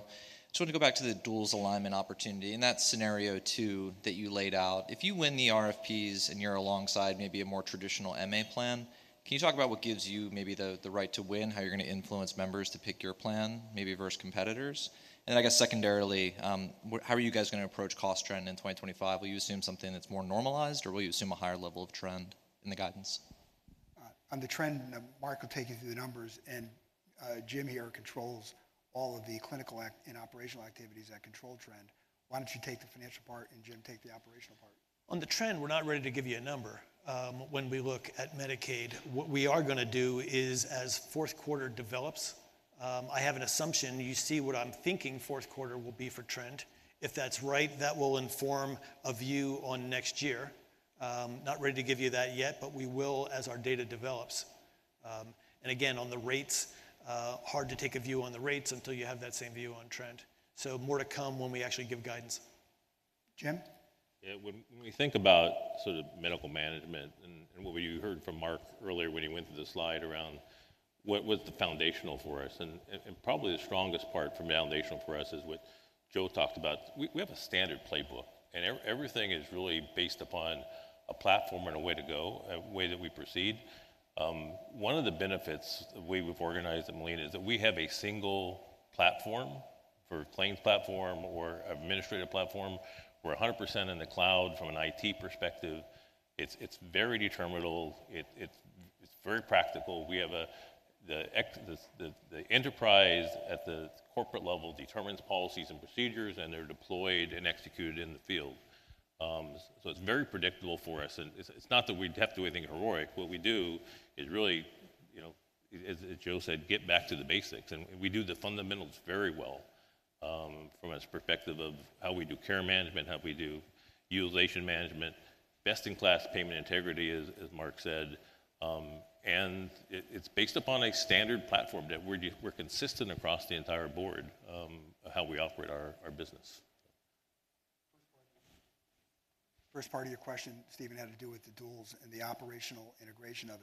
just want to go back to the duals alignment opportunity. In that scenario too that you laid out, if you win the RFPs and you're alongside maybe a more traditional MA plan, can you talk about what gives you maybe the right to win, how you're going to influence members to pick your plan maybe versus competitors? Then I guess secondarily, how are you guys going to approach cost trend in 2025? Will you assume something that's more normalized, or will you assume a higher level of trend in the guidance? On the trend, Mark will take you through the numbers, and Jim here controls all of the clinical and operational activities that control trend. Why don't you take the financial part and Jim take the operational part? On the trend, we're not ready to give you a number. When we look at Medicaid, what we are going to do is as fourth quarter develops, I have an assumption you see what I'm thinking fourth quarter will be for trend. If that's right, that will inform a view on next year. Not ready to give you that yet, but we will as our data develops. And again, on the rates, it's hard to take a view on the rates until you have that same view on trend. So more to come when we actually give guidance. Jim? When we think about sort of medical management and what you heard from Mark earlier when he went through the slide around what's foundational for us. And probably the strongest part of the foundational for us is what Joe talked about. We have a standard playbook, and everything is really based upon a platform and a way to go, a way that we proceed. One of the benefits of the way we've organized at Molina is that we have a single platform for claims platform or administrative platform. We're 100% in the cloud from an IT perspective. It's very determinable. It's very practical. The enterprise at the corporate level determines policies and procedures, and they're deployed and executed in the field. So it's very predictable for us. And it's not that we have to do anything heroic. What we do is really, as Joe said, get back to the basics. And we do the fundamentals very well from a perspective of how we do care management, how we do utilization management, best-in-class payment integrity, as Mark said. And it's based upon a standard platform that we're consistent across the entire board of how we operate our business. First part of your question, Steve, had to do with the duals and the operational integration of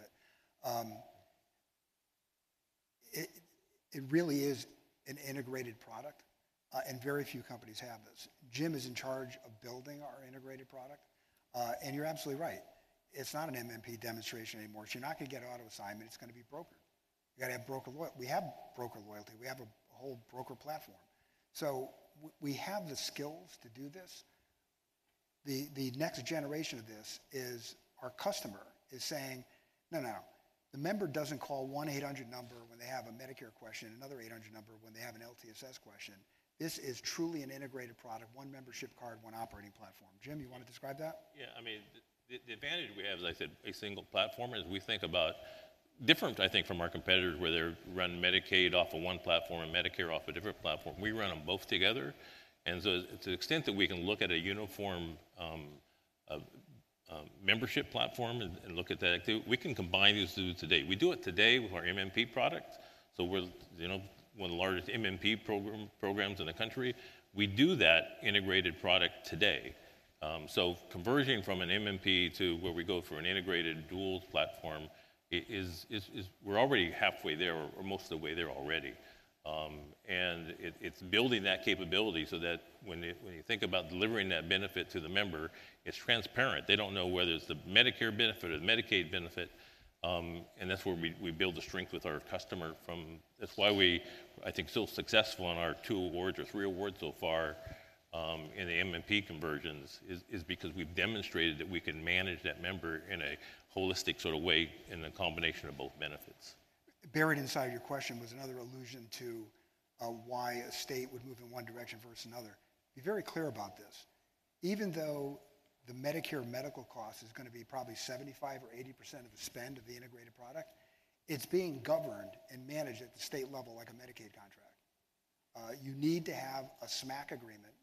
it. It really is an integrated product, and very few companies have this. Jim is in charge of building our integrated product. And you're absolutely right. It's not an MMP demonstration anymore. You're not going to get auto assignment. It's going to be broker. You got to have broker loyalty. We have broker loyalty. We have a whole broker platform. So we have the skills to do this. The next generation of this is our customer is saying, "No, no, no. The member doesn't call one 800 number when they have a Medicare question, another 800 number when they have an LTSS question. This is truly an integrated product, one membership card, one operating platform." Jim, you want to describe that? Yeah. I mean, the advantage we have, as I said, a single platform is we think about different, I think, from our competitors where they run Medicaid off of one platform and Medicare off a different platform. We run them both together. And so to the extent that we can look at a uniform membership platform and look at that, we can combine these two today. We do it today with our MMP product. So we're one of the largest MMP programs in the country. We do that integrated product today. So conversion from an MMP to where we go for an integrated dual platform, we're already halfway there or most of the way there already. And it's building that capability so that when you think about delivering that benefit to the member, it's transparent. They don't know whether it's the Medicare benefit or the Medicaid benefit. And that's where we build the strength with our customer from. That's why we, I think, are still successful in our two awards or three awards so far in the MMP conversions is because we've demonstrated that we can manage that member in a holistic sort of way in a combination of both benefits. Buried inside your question was another allusion to why a state would move in one direction versus another. Be very clear about this. Even though the Medicare medical cost is going to be probably 75% or 80% of the spend of the integrated product, it's being governed and managed at the state level like a Medicaid contract. You need to have a SMAC agreement,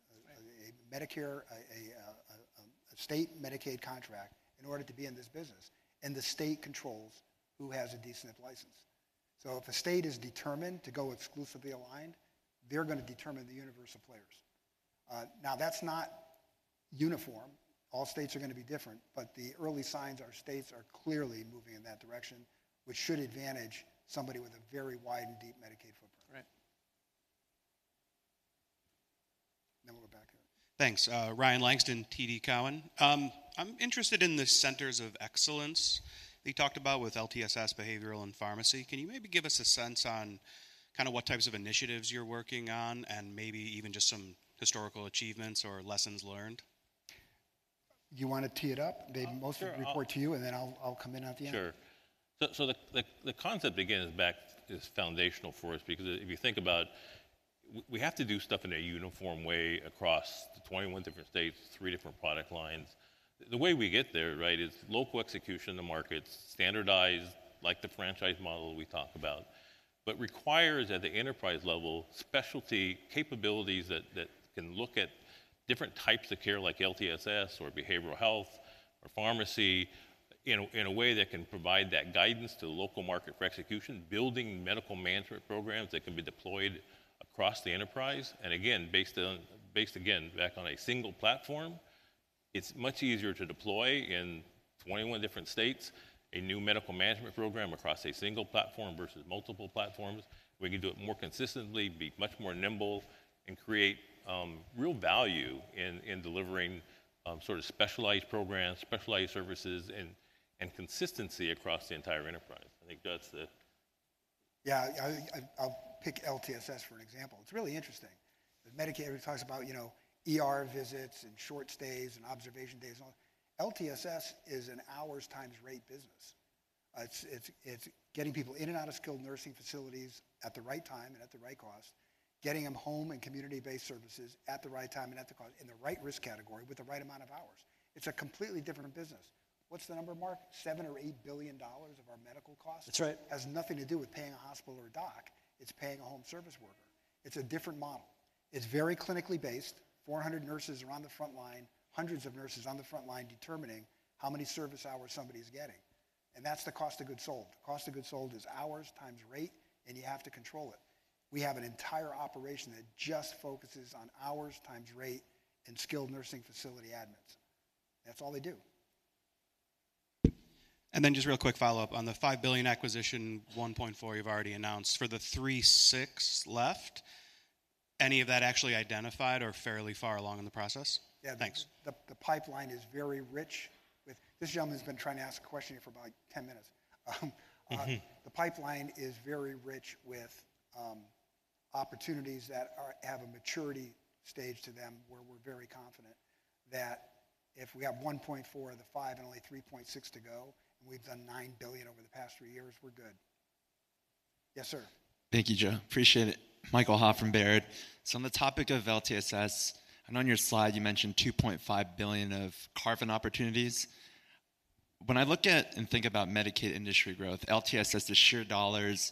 a state Medicaid contract in order to be in this business. And the state controls who has a D-SNP license. So if a state is determined to go exclusively aligned, they're going to determine the universe of players. Now, that's not uniform. All states are going to be different, but the early signs are states are clearly moving in that direction, which should advantage somebody with a very wide and deep Medicaid footprint. Right. Then we'll go back here. Thanks. Ryan Langston, TD Cowen. I'm interested in the Centers of Excellence that you talked about with LTSS, behavioral, and pharmacy. Can you maybe give us a sense on kind of what types of initiatives you're working on and maybe even just some historical achievements or lessons learned? You want to tee it up? They mostly report to you, and then I'll come in at the end. Sure. So the concept again is back is foundational for us because if you think about it, we have to do stuff in a uniform way across 21 different states, three different product lines. The way we get there, right, is local execution in the markets, standardized like the franchise model we talk about, but requires at the enterprise level specialty capabilities that can look at different types of care like LTSS or behavioral health or pharmacy in a way that can provide that guidance to the local market for execution, building medical management programs that can be deployed across the enterprise. And again, based back on a single platform, it's much easier to deploy in 21 different states a new medical management program across a single platform versus multiple platforms. We can do it more consistently, be much more nimble, and create real value in delivering sort of specialized programs, specialized services, and consistency across the entire enterprise. I think that's the. Yeah, I'll pick LTSS for an example. It's really interesting. The Medicaid talks about visits and short stays and observation days and all. LTSS is an hours times rate business. It's getting people in and out of skilled nursing facilities at the right time and at the right cost, getting them home and community-based services at the right time and at the right risk category with the right amount of hours. It's a completely different business. What's the number, Mark? $7 billion-$8 billion of our medical costs. That's right. Has nothing to do with paying a hospital or a doc. It's paying a home service worker. It's a different model. It's very clinically based. 400 nurses are on the front line, hundreds of nurses on the front line determining how many service hours somebody is getting. And that's the cost of goods sold. The cost of goods sold is hours times rate, and you have to control it. We have an entire operation that just focuses on hours times rate and skilled nursing facility admins. That's all they do. And then just real quick follow-up on the $5 billion acquisition $1.4 billion you've already announced for the $3.6 billion left. Any of that actually identified or fairly far along in the process? Yeah, thanks. The pipeline is very rich with this gentleman has been trying to ask a question here for about 10 minutes. The pipeline is very rich with opportunities that have a maturity stage to them where we're very confident that if we have $1.4 billion of the $5 billion and only $3.6 billion to go, and we've done $9 billion over the past three years, we're good. Yes, sir. Thank you, Joe. Appreciate it. Michael Ha, Baird. So on the topic of LTSS, I know on your slide you mentioned $2.5 billion of carve-in opportunities. When I look at and think about Medicaid industry growth, LTSS has shared dollars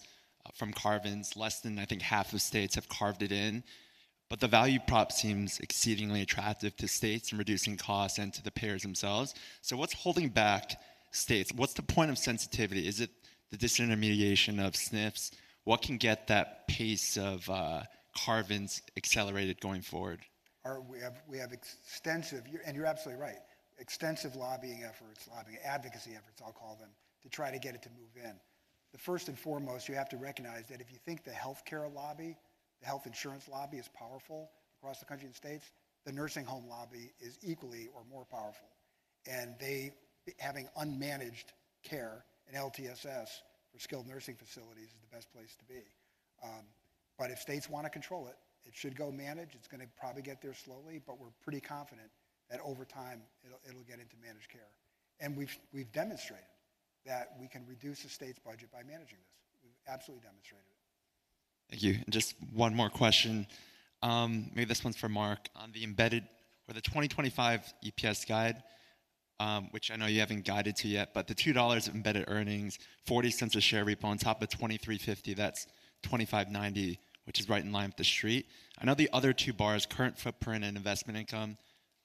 from carve-ins. Less than, I think, half of states have carved it in. But the value prop seems exceedingly attractive to states and reducing costs and to the payers themselves. So what's holding back states? What's the point of sensitivity? Is it the disintermediation of SNFs? What can get that pace of carve-ins accelerated going forward? We have extensive, and you're absolutely right, extensive lobbying efforts, lobbying advocacy efforts, I'll call them, to try to get it to move in. The first and foremost, you have to recognize that if you think the healthcare lobby, the health insurance lobby is powerful across the country and states, the nursing home lobby is equally or more powerful. And having unmanaged care and LTSS for skilled nursing facilities is the best place to be. But if states want to control it, it should go managed. It's going to probably get there slowly, but we're pretty confident that over time it'll get into managed care. And we've demonstrated that we can reduce the state's budget by managing this. We've absolutely demonstrated it. Thank you. And just one more question. Maybe this one's for Mark on the embedded or the 2025 EPS guide, which I know you haven't guided to yet, but the $2 of embedded earnings, $0.40 a share repo on top of $23.50, that's $25.90, which is right in line with the street. I know the other two bars, current footprint and investment income,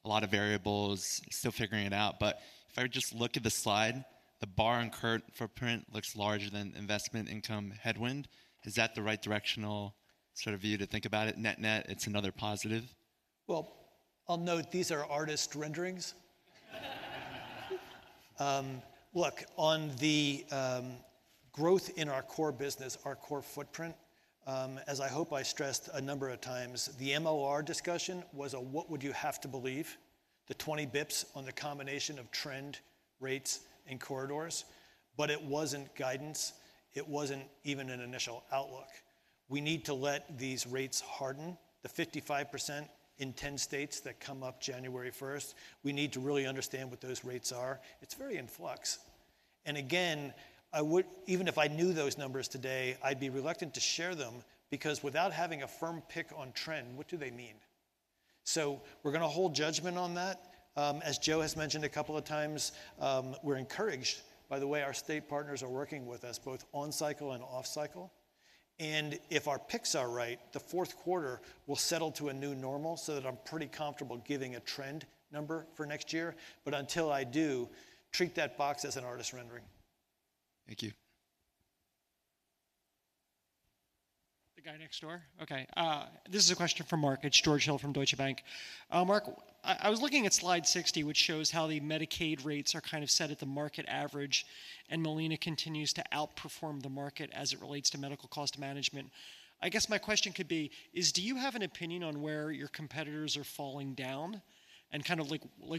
a lot of variables, still figuring it out. But if I would just look at the slide, the bar on current footprint looks larger than investment income headwind. Is that the right directional sort of view to think about it? Net net, it's another positive. Well, I'll note these are artist renderings. Look, on the growth in our core business, our core footprint, as I hope I stressed a number of times, the MOR discussion was a, what would you have to believe, the 20 bps on the combination of trend, rates, and corridors. But it wasn't guidance. It wasn't even an initial outlook. We need to let these rates harden. The 55% in 10 states that come up January 1st, we need to really understand what those rates are. It's very in flux. And again, even if I knew those numbers today, I'd be reluctant to share them because without having a firm pick on trend, what do they mean? So we're going to hold judgment on that. As Joe has mentioned a couple of times, we're encouraged by the way our state partners are working with us both on cycle and off cycle. And if our picks are right, the fourth quarter will settle to a new normal so that I'm pretty comfortable giving a trend number for next year. But until I do, treat that box as an artist rendering. Thank you. This is a question from George. It's George Hill from Deutsche Bank. Mark, I was looking at slide 60, which shows how the Medicaid rates are kind of set at the market average, and Molina continues to outperform the market as it relates to medical cost management. I guess my question could be, do you have an opinion on where your competitors are falling down and kind of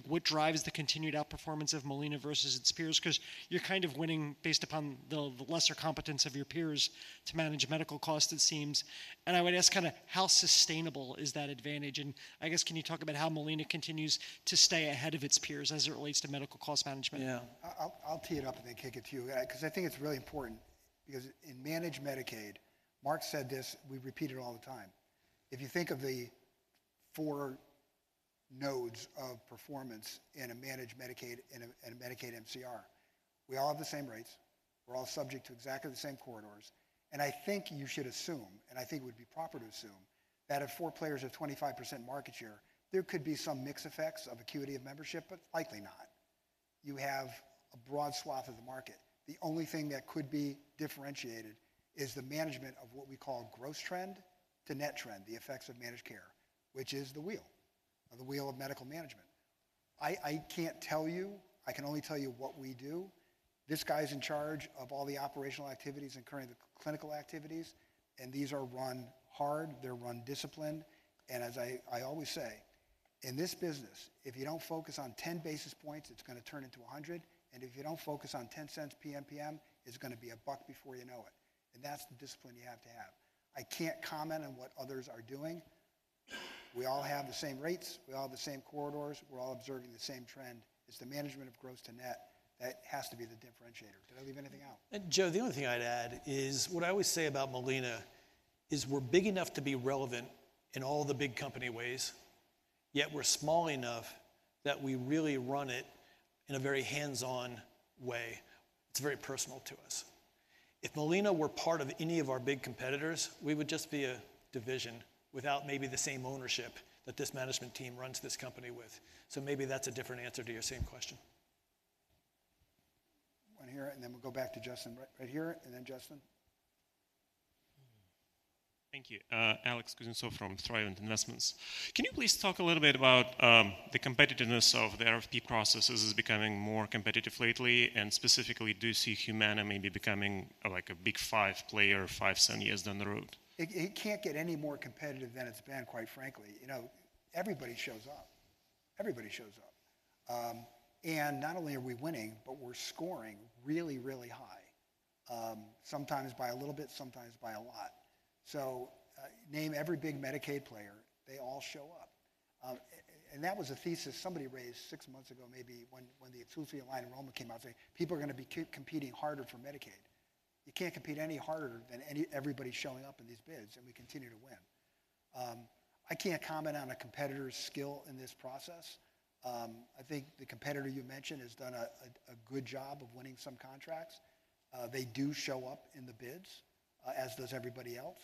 what drives the continued outperformance of Molina versus its peers? Because you're kind of winning based upon the lesser competence of your peers to manage medical costs, it seems. And I would ask kind of how sustainable is that advantage? And I guess, can you talk about how Molina continues to stay ahead of its peers as it relates to medical cost management? Yeah. I'll tee it up and then kick it to you because I think it's really important because in managed Medicaid, Mark said this, we repeat it all the time. If you think of the four nodes of performance in a managed Medicaid and a Medicaid MCR, we all have the same rates. We're all subject to exactly the same corridors. And I think you should assume, and I think it would be proper to assume that if four players have 25% market share, there could be some mixed effects of acuity of membership, but likely not. You have a broad swath of the market. The only thing that could be differentiated is the management of what we call gross trend to net trend, the effects of managed care, which is the wheel, the wheel of medical management. I can't tell you. I can only tell you what we do. This guy is in charge of all the operational activities and currently the clinical activities. And these are run hard. They're run disciplined. And as I always say, in this business, if you don't focus on 10 basis points, it's going to turn into 100. And if you don't focus on 10 cents PMPM, it's going to be a buck before you know it. And that's the discipline you have to have. I can't comment on what others are doing. We all have the same rates. We all have the same corridors. We're all observing the same trend. It's the management of gross to net that has to be the differentiator. Did I leave anything out? And Joe, the only thing I'd add is what I always say about Molina is we're big enough to be relevant in all the big company ways, yet we're small enough that we really run it in a very hands-on way. It's very personal to us. If Molina were part of any of our big competitors, we would just be a division without maybe the same ownership that this management team runs this company with. So maybe that's a different answer to your same question. One here, and then we'll go back to Justin right here. And then Justin. Thank you. Alex Kuznetsov from Thrivent. Can you please talk a little bit about the competitiveness of the RFP processes as it's becoming more competitive lately? Specifically, do you see Humana maybe becoming like a Big Five player, five years down the road? It can't get any more competitive than it's been, quite frankly. Everybody shows up. Everybody shows up. And not only are we winning, but we're scoring really, really high, sometimes by a little bit, sometimes by a lot. So name every big Medicaid player, they all show up. And that was a thesis somebody raised six months ago, maybe when the Georgia procurement came out, saying, "People are going to be competing harder for Medicaid." You can't compete any harder than everybody showing up in these bids, and we continue to win. I can't comment on a competitor's skill in this process. I think the competitor you mentioned has done a good job of winning some contracts. They do show up in the bids, as does everybody else.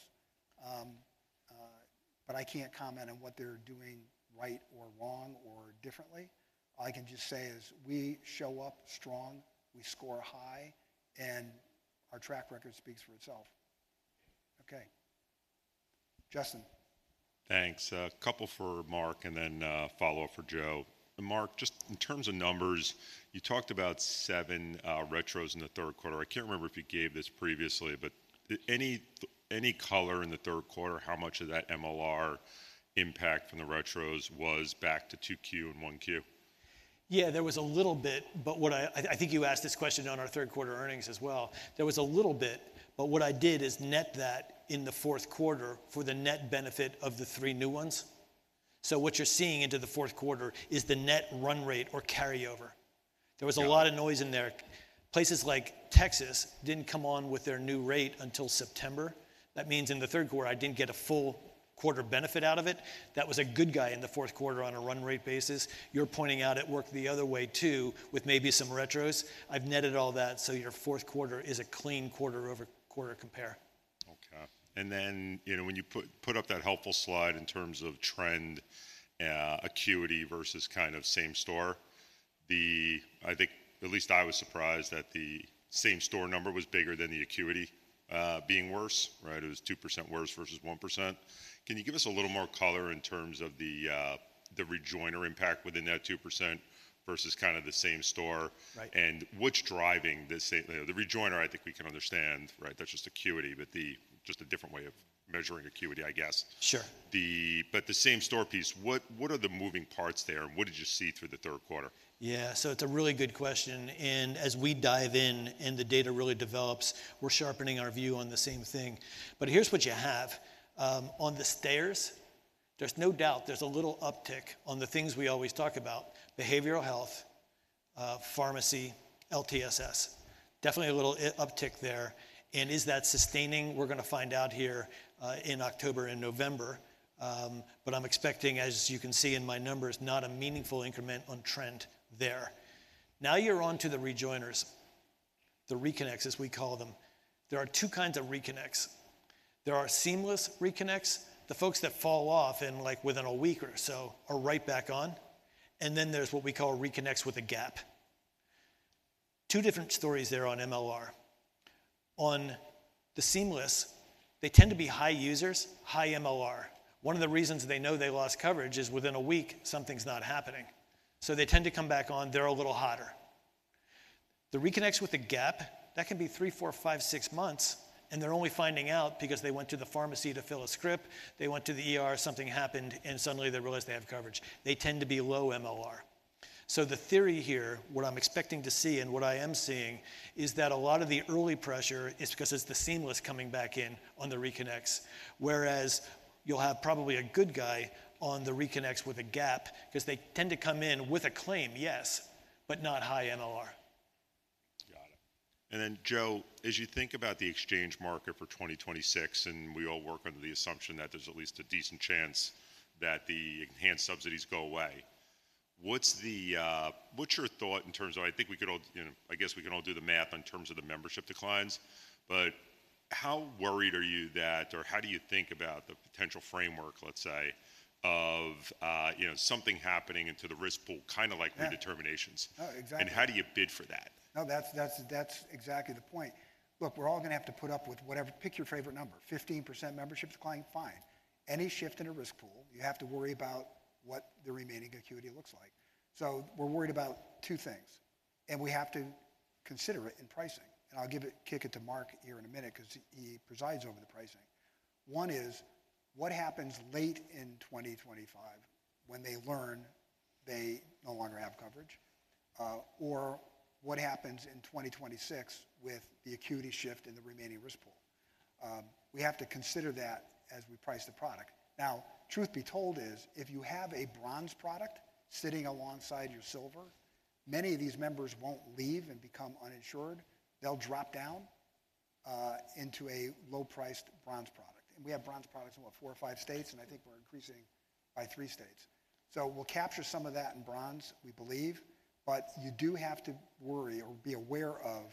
But I can't comment on what they're doing right or wrong or differently. All I can just say is we show up strong, we score high, and our track record speaks for itself. Okay. Justin. Thanks. A couple for Mark and then follow-up for Joe. Mark, just in terms of numbers, you talked about seven retros in the third quarter. I can't remember if you gave this previously, but any color in the third quarter, how much of that MLR impact from the retros was back to 2Q and 1Q? Yeah, there was a little bit, but I think you asked this question on our third quarter earnings as well. There was a little bit, but what I did is net that in the fourth quarter for the net benefit of the three new ones. So what you're seeing into the fourth quarter is the net run rate or carryover. There was a lot of noise in there. Places like Texas didn't come on with their new rate until September. That means in the third quarter, I didn't get a full quarter benefit out of it. That was a good guy in the fourth quarter on a run rate basis. You're pointing out it worked the other way too with maybe some retros. I've netted all that, so your fourth quarter is a clean quarter over quarter compare. Okay. And then when you put up that helpful slide in terms of trend acuity versus kind of same store, I think at least I was surprised that the same store number was bigger than the acuity being worse, right? It was 2% worse versus 1%. Can you give us a little more color in terms of the rejoiner impact within that 2% versus kind of the same store? What's driving the rejoiner? I think we can understand, right? That's just acuity, but just a different way of measuring acuity, I guess. But the same store piece, what are the moving parts there? And what did you see through the third quarter? Yeah, so it's a really good question. And as we dive in and the data really develops, we're sharpening our view on the same thing. But here's what you have. On the stayers, there's no doubt there's a little uptick on the things we always talk about: behavioral health, pharmacy, LTSS. Definitely a little uptick there. And is that sustaining? We're going to find out here in October and November. But I'm expecting, as you can see in my numbers, not a meaningful increment on trend there. Now you're on to the rejoiners, the reconnects, as we call them. There are two kinds of reconnects. There are seamless reconnects, the folks that fall off in like within a week or so are right back on, and then there's what we call reconnects with a gap. Two different stories there on MLR. On the seamless, they tend to be high users, high MLR. One of the reasons they know they lost coverage is within a week, something's not happening. So they tend to come back on. They're a little hotter. The reconnects with a gap, that can be three, four, five, six months, and they're only finding out because they went to the pharmacy to fill a script. They went to the something happened, and suddenly they realize they have coverage. They tend to be low MLR. So the theory here, what I'm expecting to see and what I am seeing, is that a lot of the early pressure is because it's the seamless coming back in on the reconnects, whereas you'll have probably a good guy on the reconnects with a gap because they tend to come in with a claim, yes, but not high MLR. Got it. And then, Joe, as you think about the exchange market for 2026, and we all work under the assumption that there's at least a decent chance that the enhanced subsidies go away, what's your thought in terms of, I think we can all, I guess we can all do the math in terms of the membership declines, but how worried are you that, or how do you think about the potential framework, let's say, of something happening into the risk pool, kind of like redeterminations? And how do you bid for that? No, that's exactly the point. Look, we're all going to have to put up with whatever, pick your favorite number, 15% membership decline, fine. Any shift in a risk pool, you have to worry about what the remaining acuity looks like. So we're worried about two things, and we have to consider it in pricing. And I'll kick it to Mark here in a minute because he presides over the pricing. One is what happens late in 2025 when they learn they no longer have coverage, or what happens in 2026 with the acuity shift in the remaining risk pool. We have to consider that as we price the product. Now, truth be told, if you have a bronze product sitting alongside your silver, many of these members won't leave and become uninsured. They'll drop down into a low-priced bronze product. We have bronze products in what, four or five states, and I think we're increasing by three states. So we'll capture some of that in bronze, we believe. But you do have to worry or be aware of,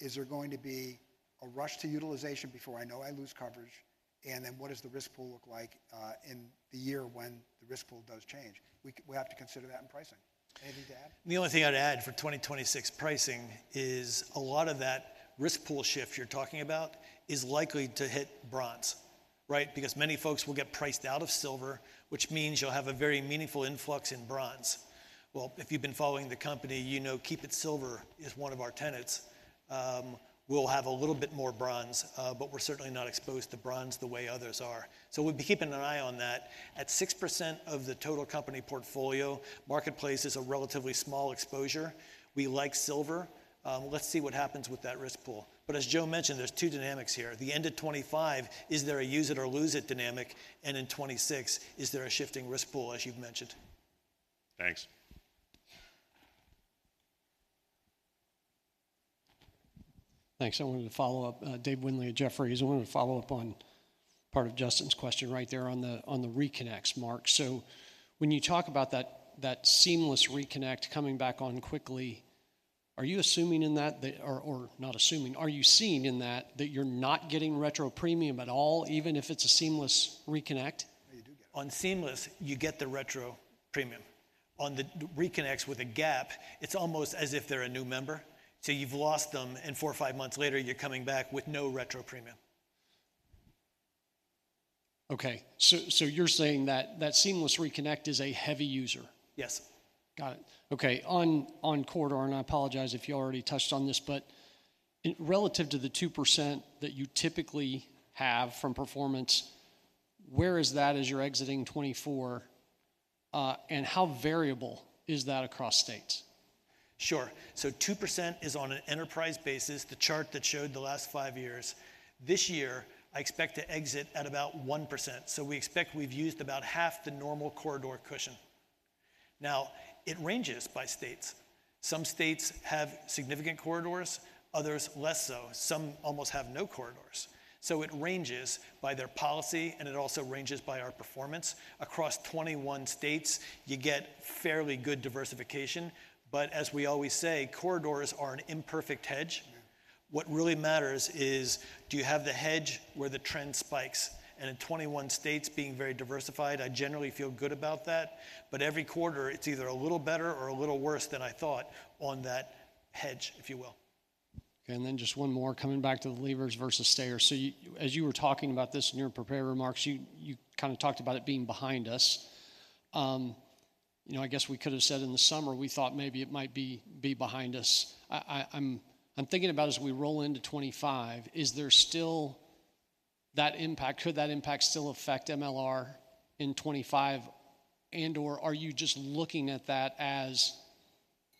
is there going to be a rush to utilization before I know I lose coverage? And then what does the risk pool look like in the year when the risk pool does change? We have to consider that in pricing. Anything to add? The only thing I'd add for 2026 pricing is a lot of that risk pool shift you're talking about is likely to hit bronze, right? Because many folks will get priced out of silver, which means you'll have a very meaningful influx in bronze. Well, if you've been following the company, you know Keep It Silver is one of our tenets. We'll have a little bit more bronze, but we're certainly not exposed to bronze the way others are. So we'll be keeping an eye on that. At 6% of the total company portfolio, Marketplace is a relatively small exposure. We like silver. Let's see what happens with that risk pool. But as Joe mentioned, there's two dynamics here. The end of 2025, is there a use it or lose it dynamic? And in 2026, is there a shifting risk pool, as you've mentioned? Thanks. Thanks. I wanted to follow up. Dave Windley at Jefferies wanted to follow up on part of Justin's question right there on the reconnects, Mark. So when you talk about that seamless reconnect coming back on quickly, are you assuming in that, or not assuming, are you seeing in that that you're not getting retro premium at all, even if it's a seamless reconnect? On seamless, you get the retro premium. On the reconnects with a gap, it's almost as if they're a new member. So you've lost them, and four or five months later, you're coming back with no retro premium. Okay. So you're saying that that seamless reconnect is a heavy user? Yes. Got it. Okay. On quarter, and I apologize if you already touched on this, but relative to the 2% that you typically have from performance, where is that as you're exiting 2024? And how variable is that across states? Sure. So 2% is on an enterprise basis, the chart that showed the last five years. This year, I expect to exit at about 1%. So we expect we've used about half the normal corridor cushion. Now, it ranges by states. Some states have significant corridors, others less so. Some almost have no corridors. So it ranges by their policy, and it also ranges by our performance. Across 21 states, you get fairly good diversification. But as we always say, corridors are an imperfect hedge. What really matters is, do you have the hedge where the trend spikes? And in 21 states being very diversified, I generally feel good about that. But every quarter, it's either a little better or a little worse than I thought on that hedge, if you will. Okay. And then just one more, coming back to the leavers versus stayers. So as you were talking about this in your prepared remarks, you kind of talked about it being behind us. I guess we could have said in the summer, we thought maybe it might be behind us. I'm thinking about as we roll into 2025, is there still that impact? Could that impact still affect MLR in 2025? And/or are you just looking at that as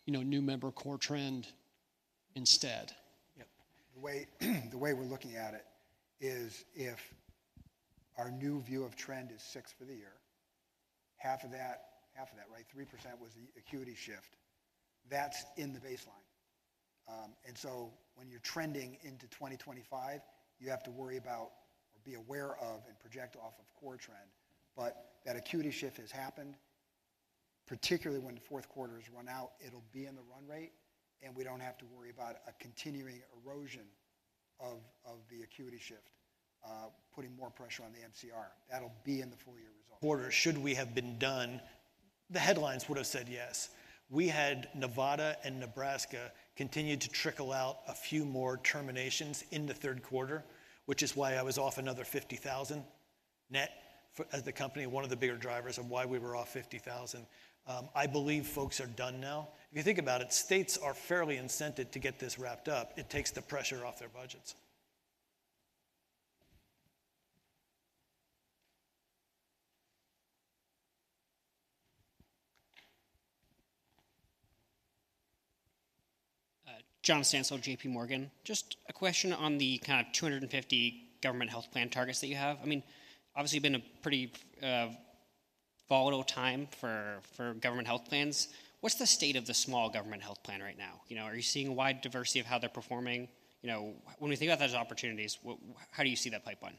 new member core trend instead? Yep. The way we're looking at it is if our new view of trend is 6% for the year, half of that, half of that, right? 3% was the acuity shift. That's in the baseline. And so when you're trending into 2025, you have to worry about or be aware of and project off of core trend. But that acuity shift has happened, particularly when the fourth quarter is run out, it'll be in the run rate, and we don't have to worry about a continuing erosion of the acuity shift, putting more pressure on the MCR. That'll be in the full year result. Quarter, should we have been done, the headlines would have said yes. We had Nevada and Nebraska continue to trickle out a few more terminations in the third quarter, which is why we were off another 50,000 net as the company, one of the bigger drivers of why we were off 50,000. I believe folks are done now. If you think about it, states are fairly incented to get this wrapped up. It takes the pressure off their budgets. John Stansel, JPMorgan. Just a question on the kind of 250 government health plan targets that you have. I mean, obviously, it's been a pretty volatile time for government health plans. What's the state of the small government health plan right now? Are you seeing a wide diversity of how they're performing? When we think about those opportunities, how do you see that pipeline?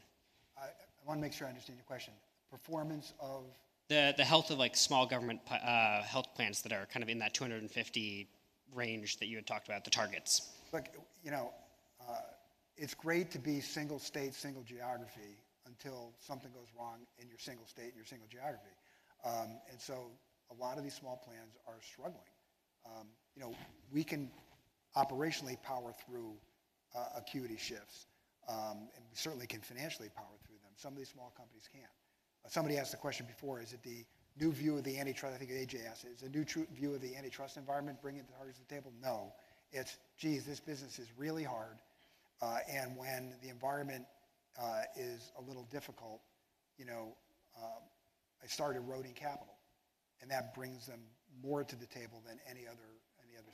I want to make sure I understand your question. Performance of? The health of small government health plans that are kind of in that 250 range that you had talked about, the targets? It's great to be single state, single geography until something goes wrong in your single state and your single geography. And so a lot of these small plans are struggling. We can operationally power through acuity shifts, and we certainly can financially power through them. Some of these small companies can't. Somebody asked the question before, is it the new view of the antitrust? I think A.J. asked, is it a new view of the antitrust environment bringing the targets to the table? No. It's, geez, this business is really hard. And when the environment is a little difficult, I start eroding capital. And that brings them more to the table than any other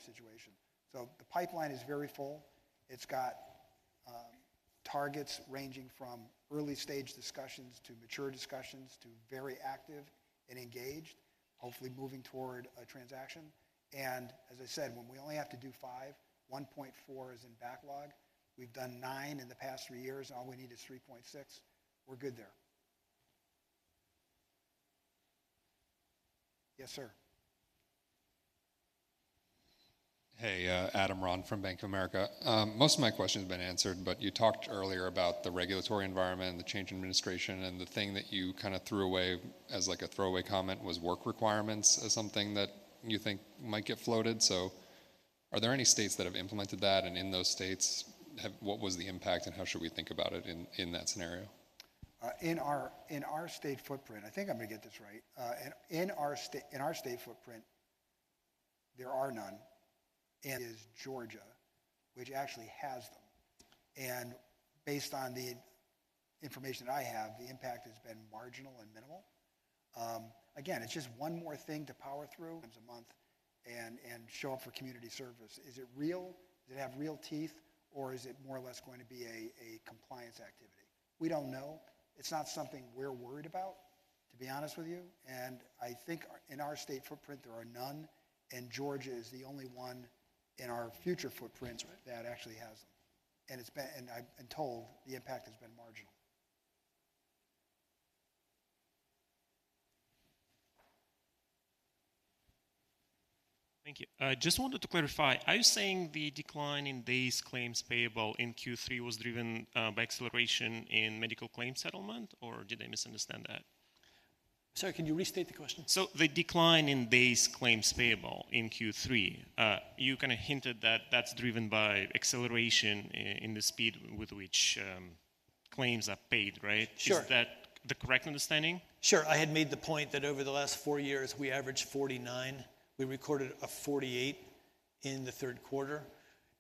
situation. So the pipeline is very full. It's got targets ranging from early stage discussions to mature discussions to very active and engaged, hopefully moving toward a transaction. And as I said, when we only have to do five, $1.4 billion is in backlog. We've done nine in the past three years. All we need is $3.6 billion. We're good there. Yes, sir. Hey, Adam Ron from Bank of America. Most of my questions have been answered, but you talked earlier about the regulatory environment, the change in administration, and the thing that you kind of threw away as like a throwaway comment was work requirements as something that you think might get floated. So are there any states that have implemented that? And in those states, what was the impact, and how should we think about it in that scenario? In our state footprint, I think I'm going to get this right. In our state footprint, there are none. And is Georgia, which actually has them. And based on the information that I have, the impact has been marginal and minimal. Again, it's just one more thing to power through. A month and show up for community service. Is it real? Does it have real teeth? Or is it more or less going to be a compliance activity? We don't know. It's not something we're worried about, to be honest with you. And I think in our state footprint, there are none. And Georgia is the only one in our future footprints that actually has them. And I've been told the impact has been marginal. Thank you. Just wanted to clarify, are you saying the decline in these claims payable in Q3 was driven by acceleration in medical claim settlement, or did I misunderstand that? Sorry, can you restate the question? So the decline in these claims payable in Q3, you kind of hinted that that's driven by acceleration in the speed with which claims are paid, right? Is that the correct understanding? Sure. I had made the point that over the last four years, we averaged 49. We recorded a 48 in the third quarter.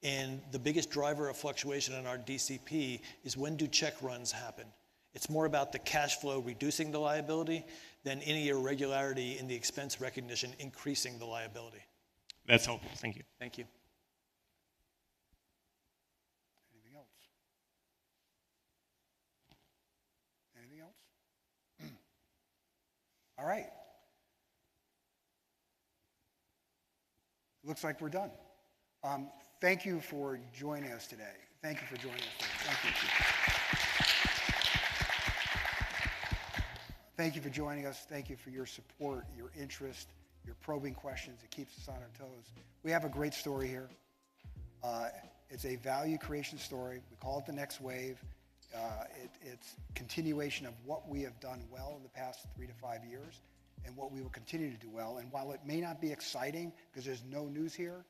And the biggest driver of fluctuation in our DCP is when do check runs happen? It's more about the cash flow reducing the liability than any irregularity in the expense recognition increasing the liability. That's helpful. Thank you. Thank you. Anything else? All right. Looks like we're done. Thank you for joining us today. Thank you. Thank you for joining us. Thank you for your support, your interest, your probing questions. It keeps us on our toes. We have a great story here. It's a value creation story. We call it the next wave. It's a continuation of what we have done well in the past three to five years and what we will continue to do well. And while it may not be exciting because there's no news here,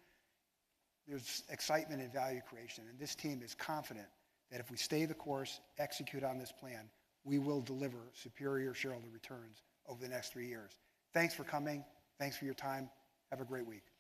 there's excitement in value creation. And this team is confident that if we stay the course, execute on this plan, we will deliver superior shareholder returns over the next three years. Thanks for coming. Thanks for your time. Have a great week. Thank you.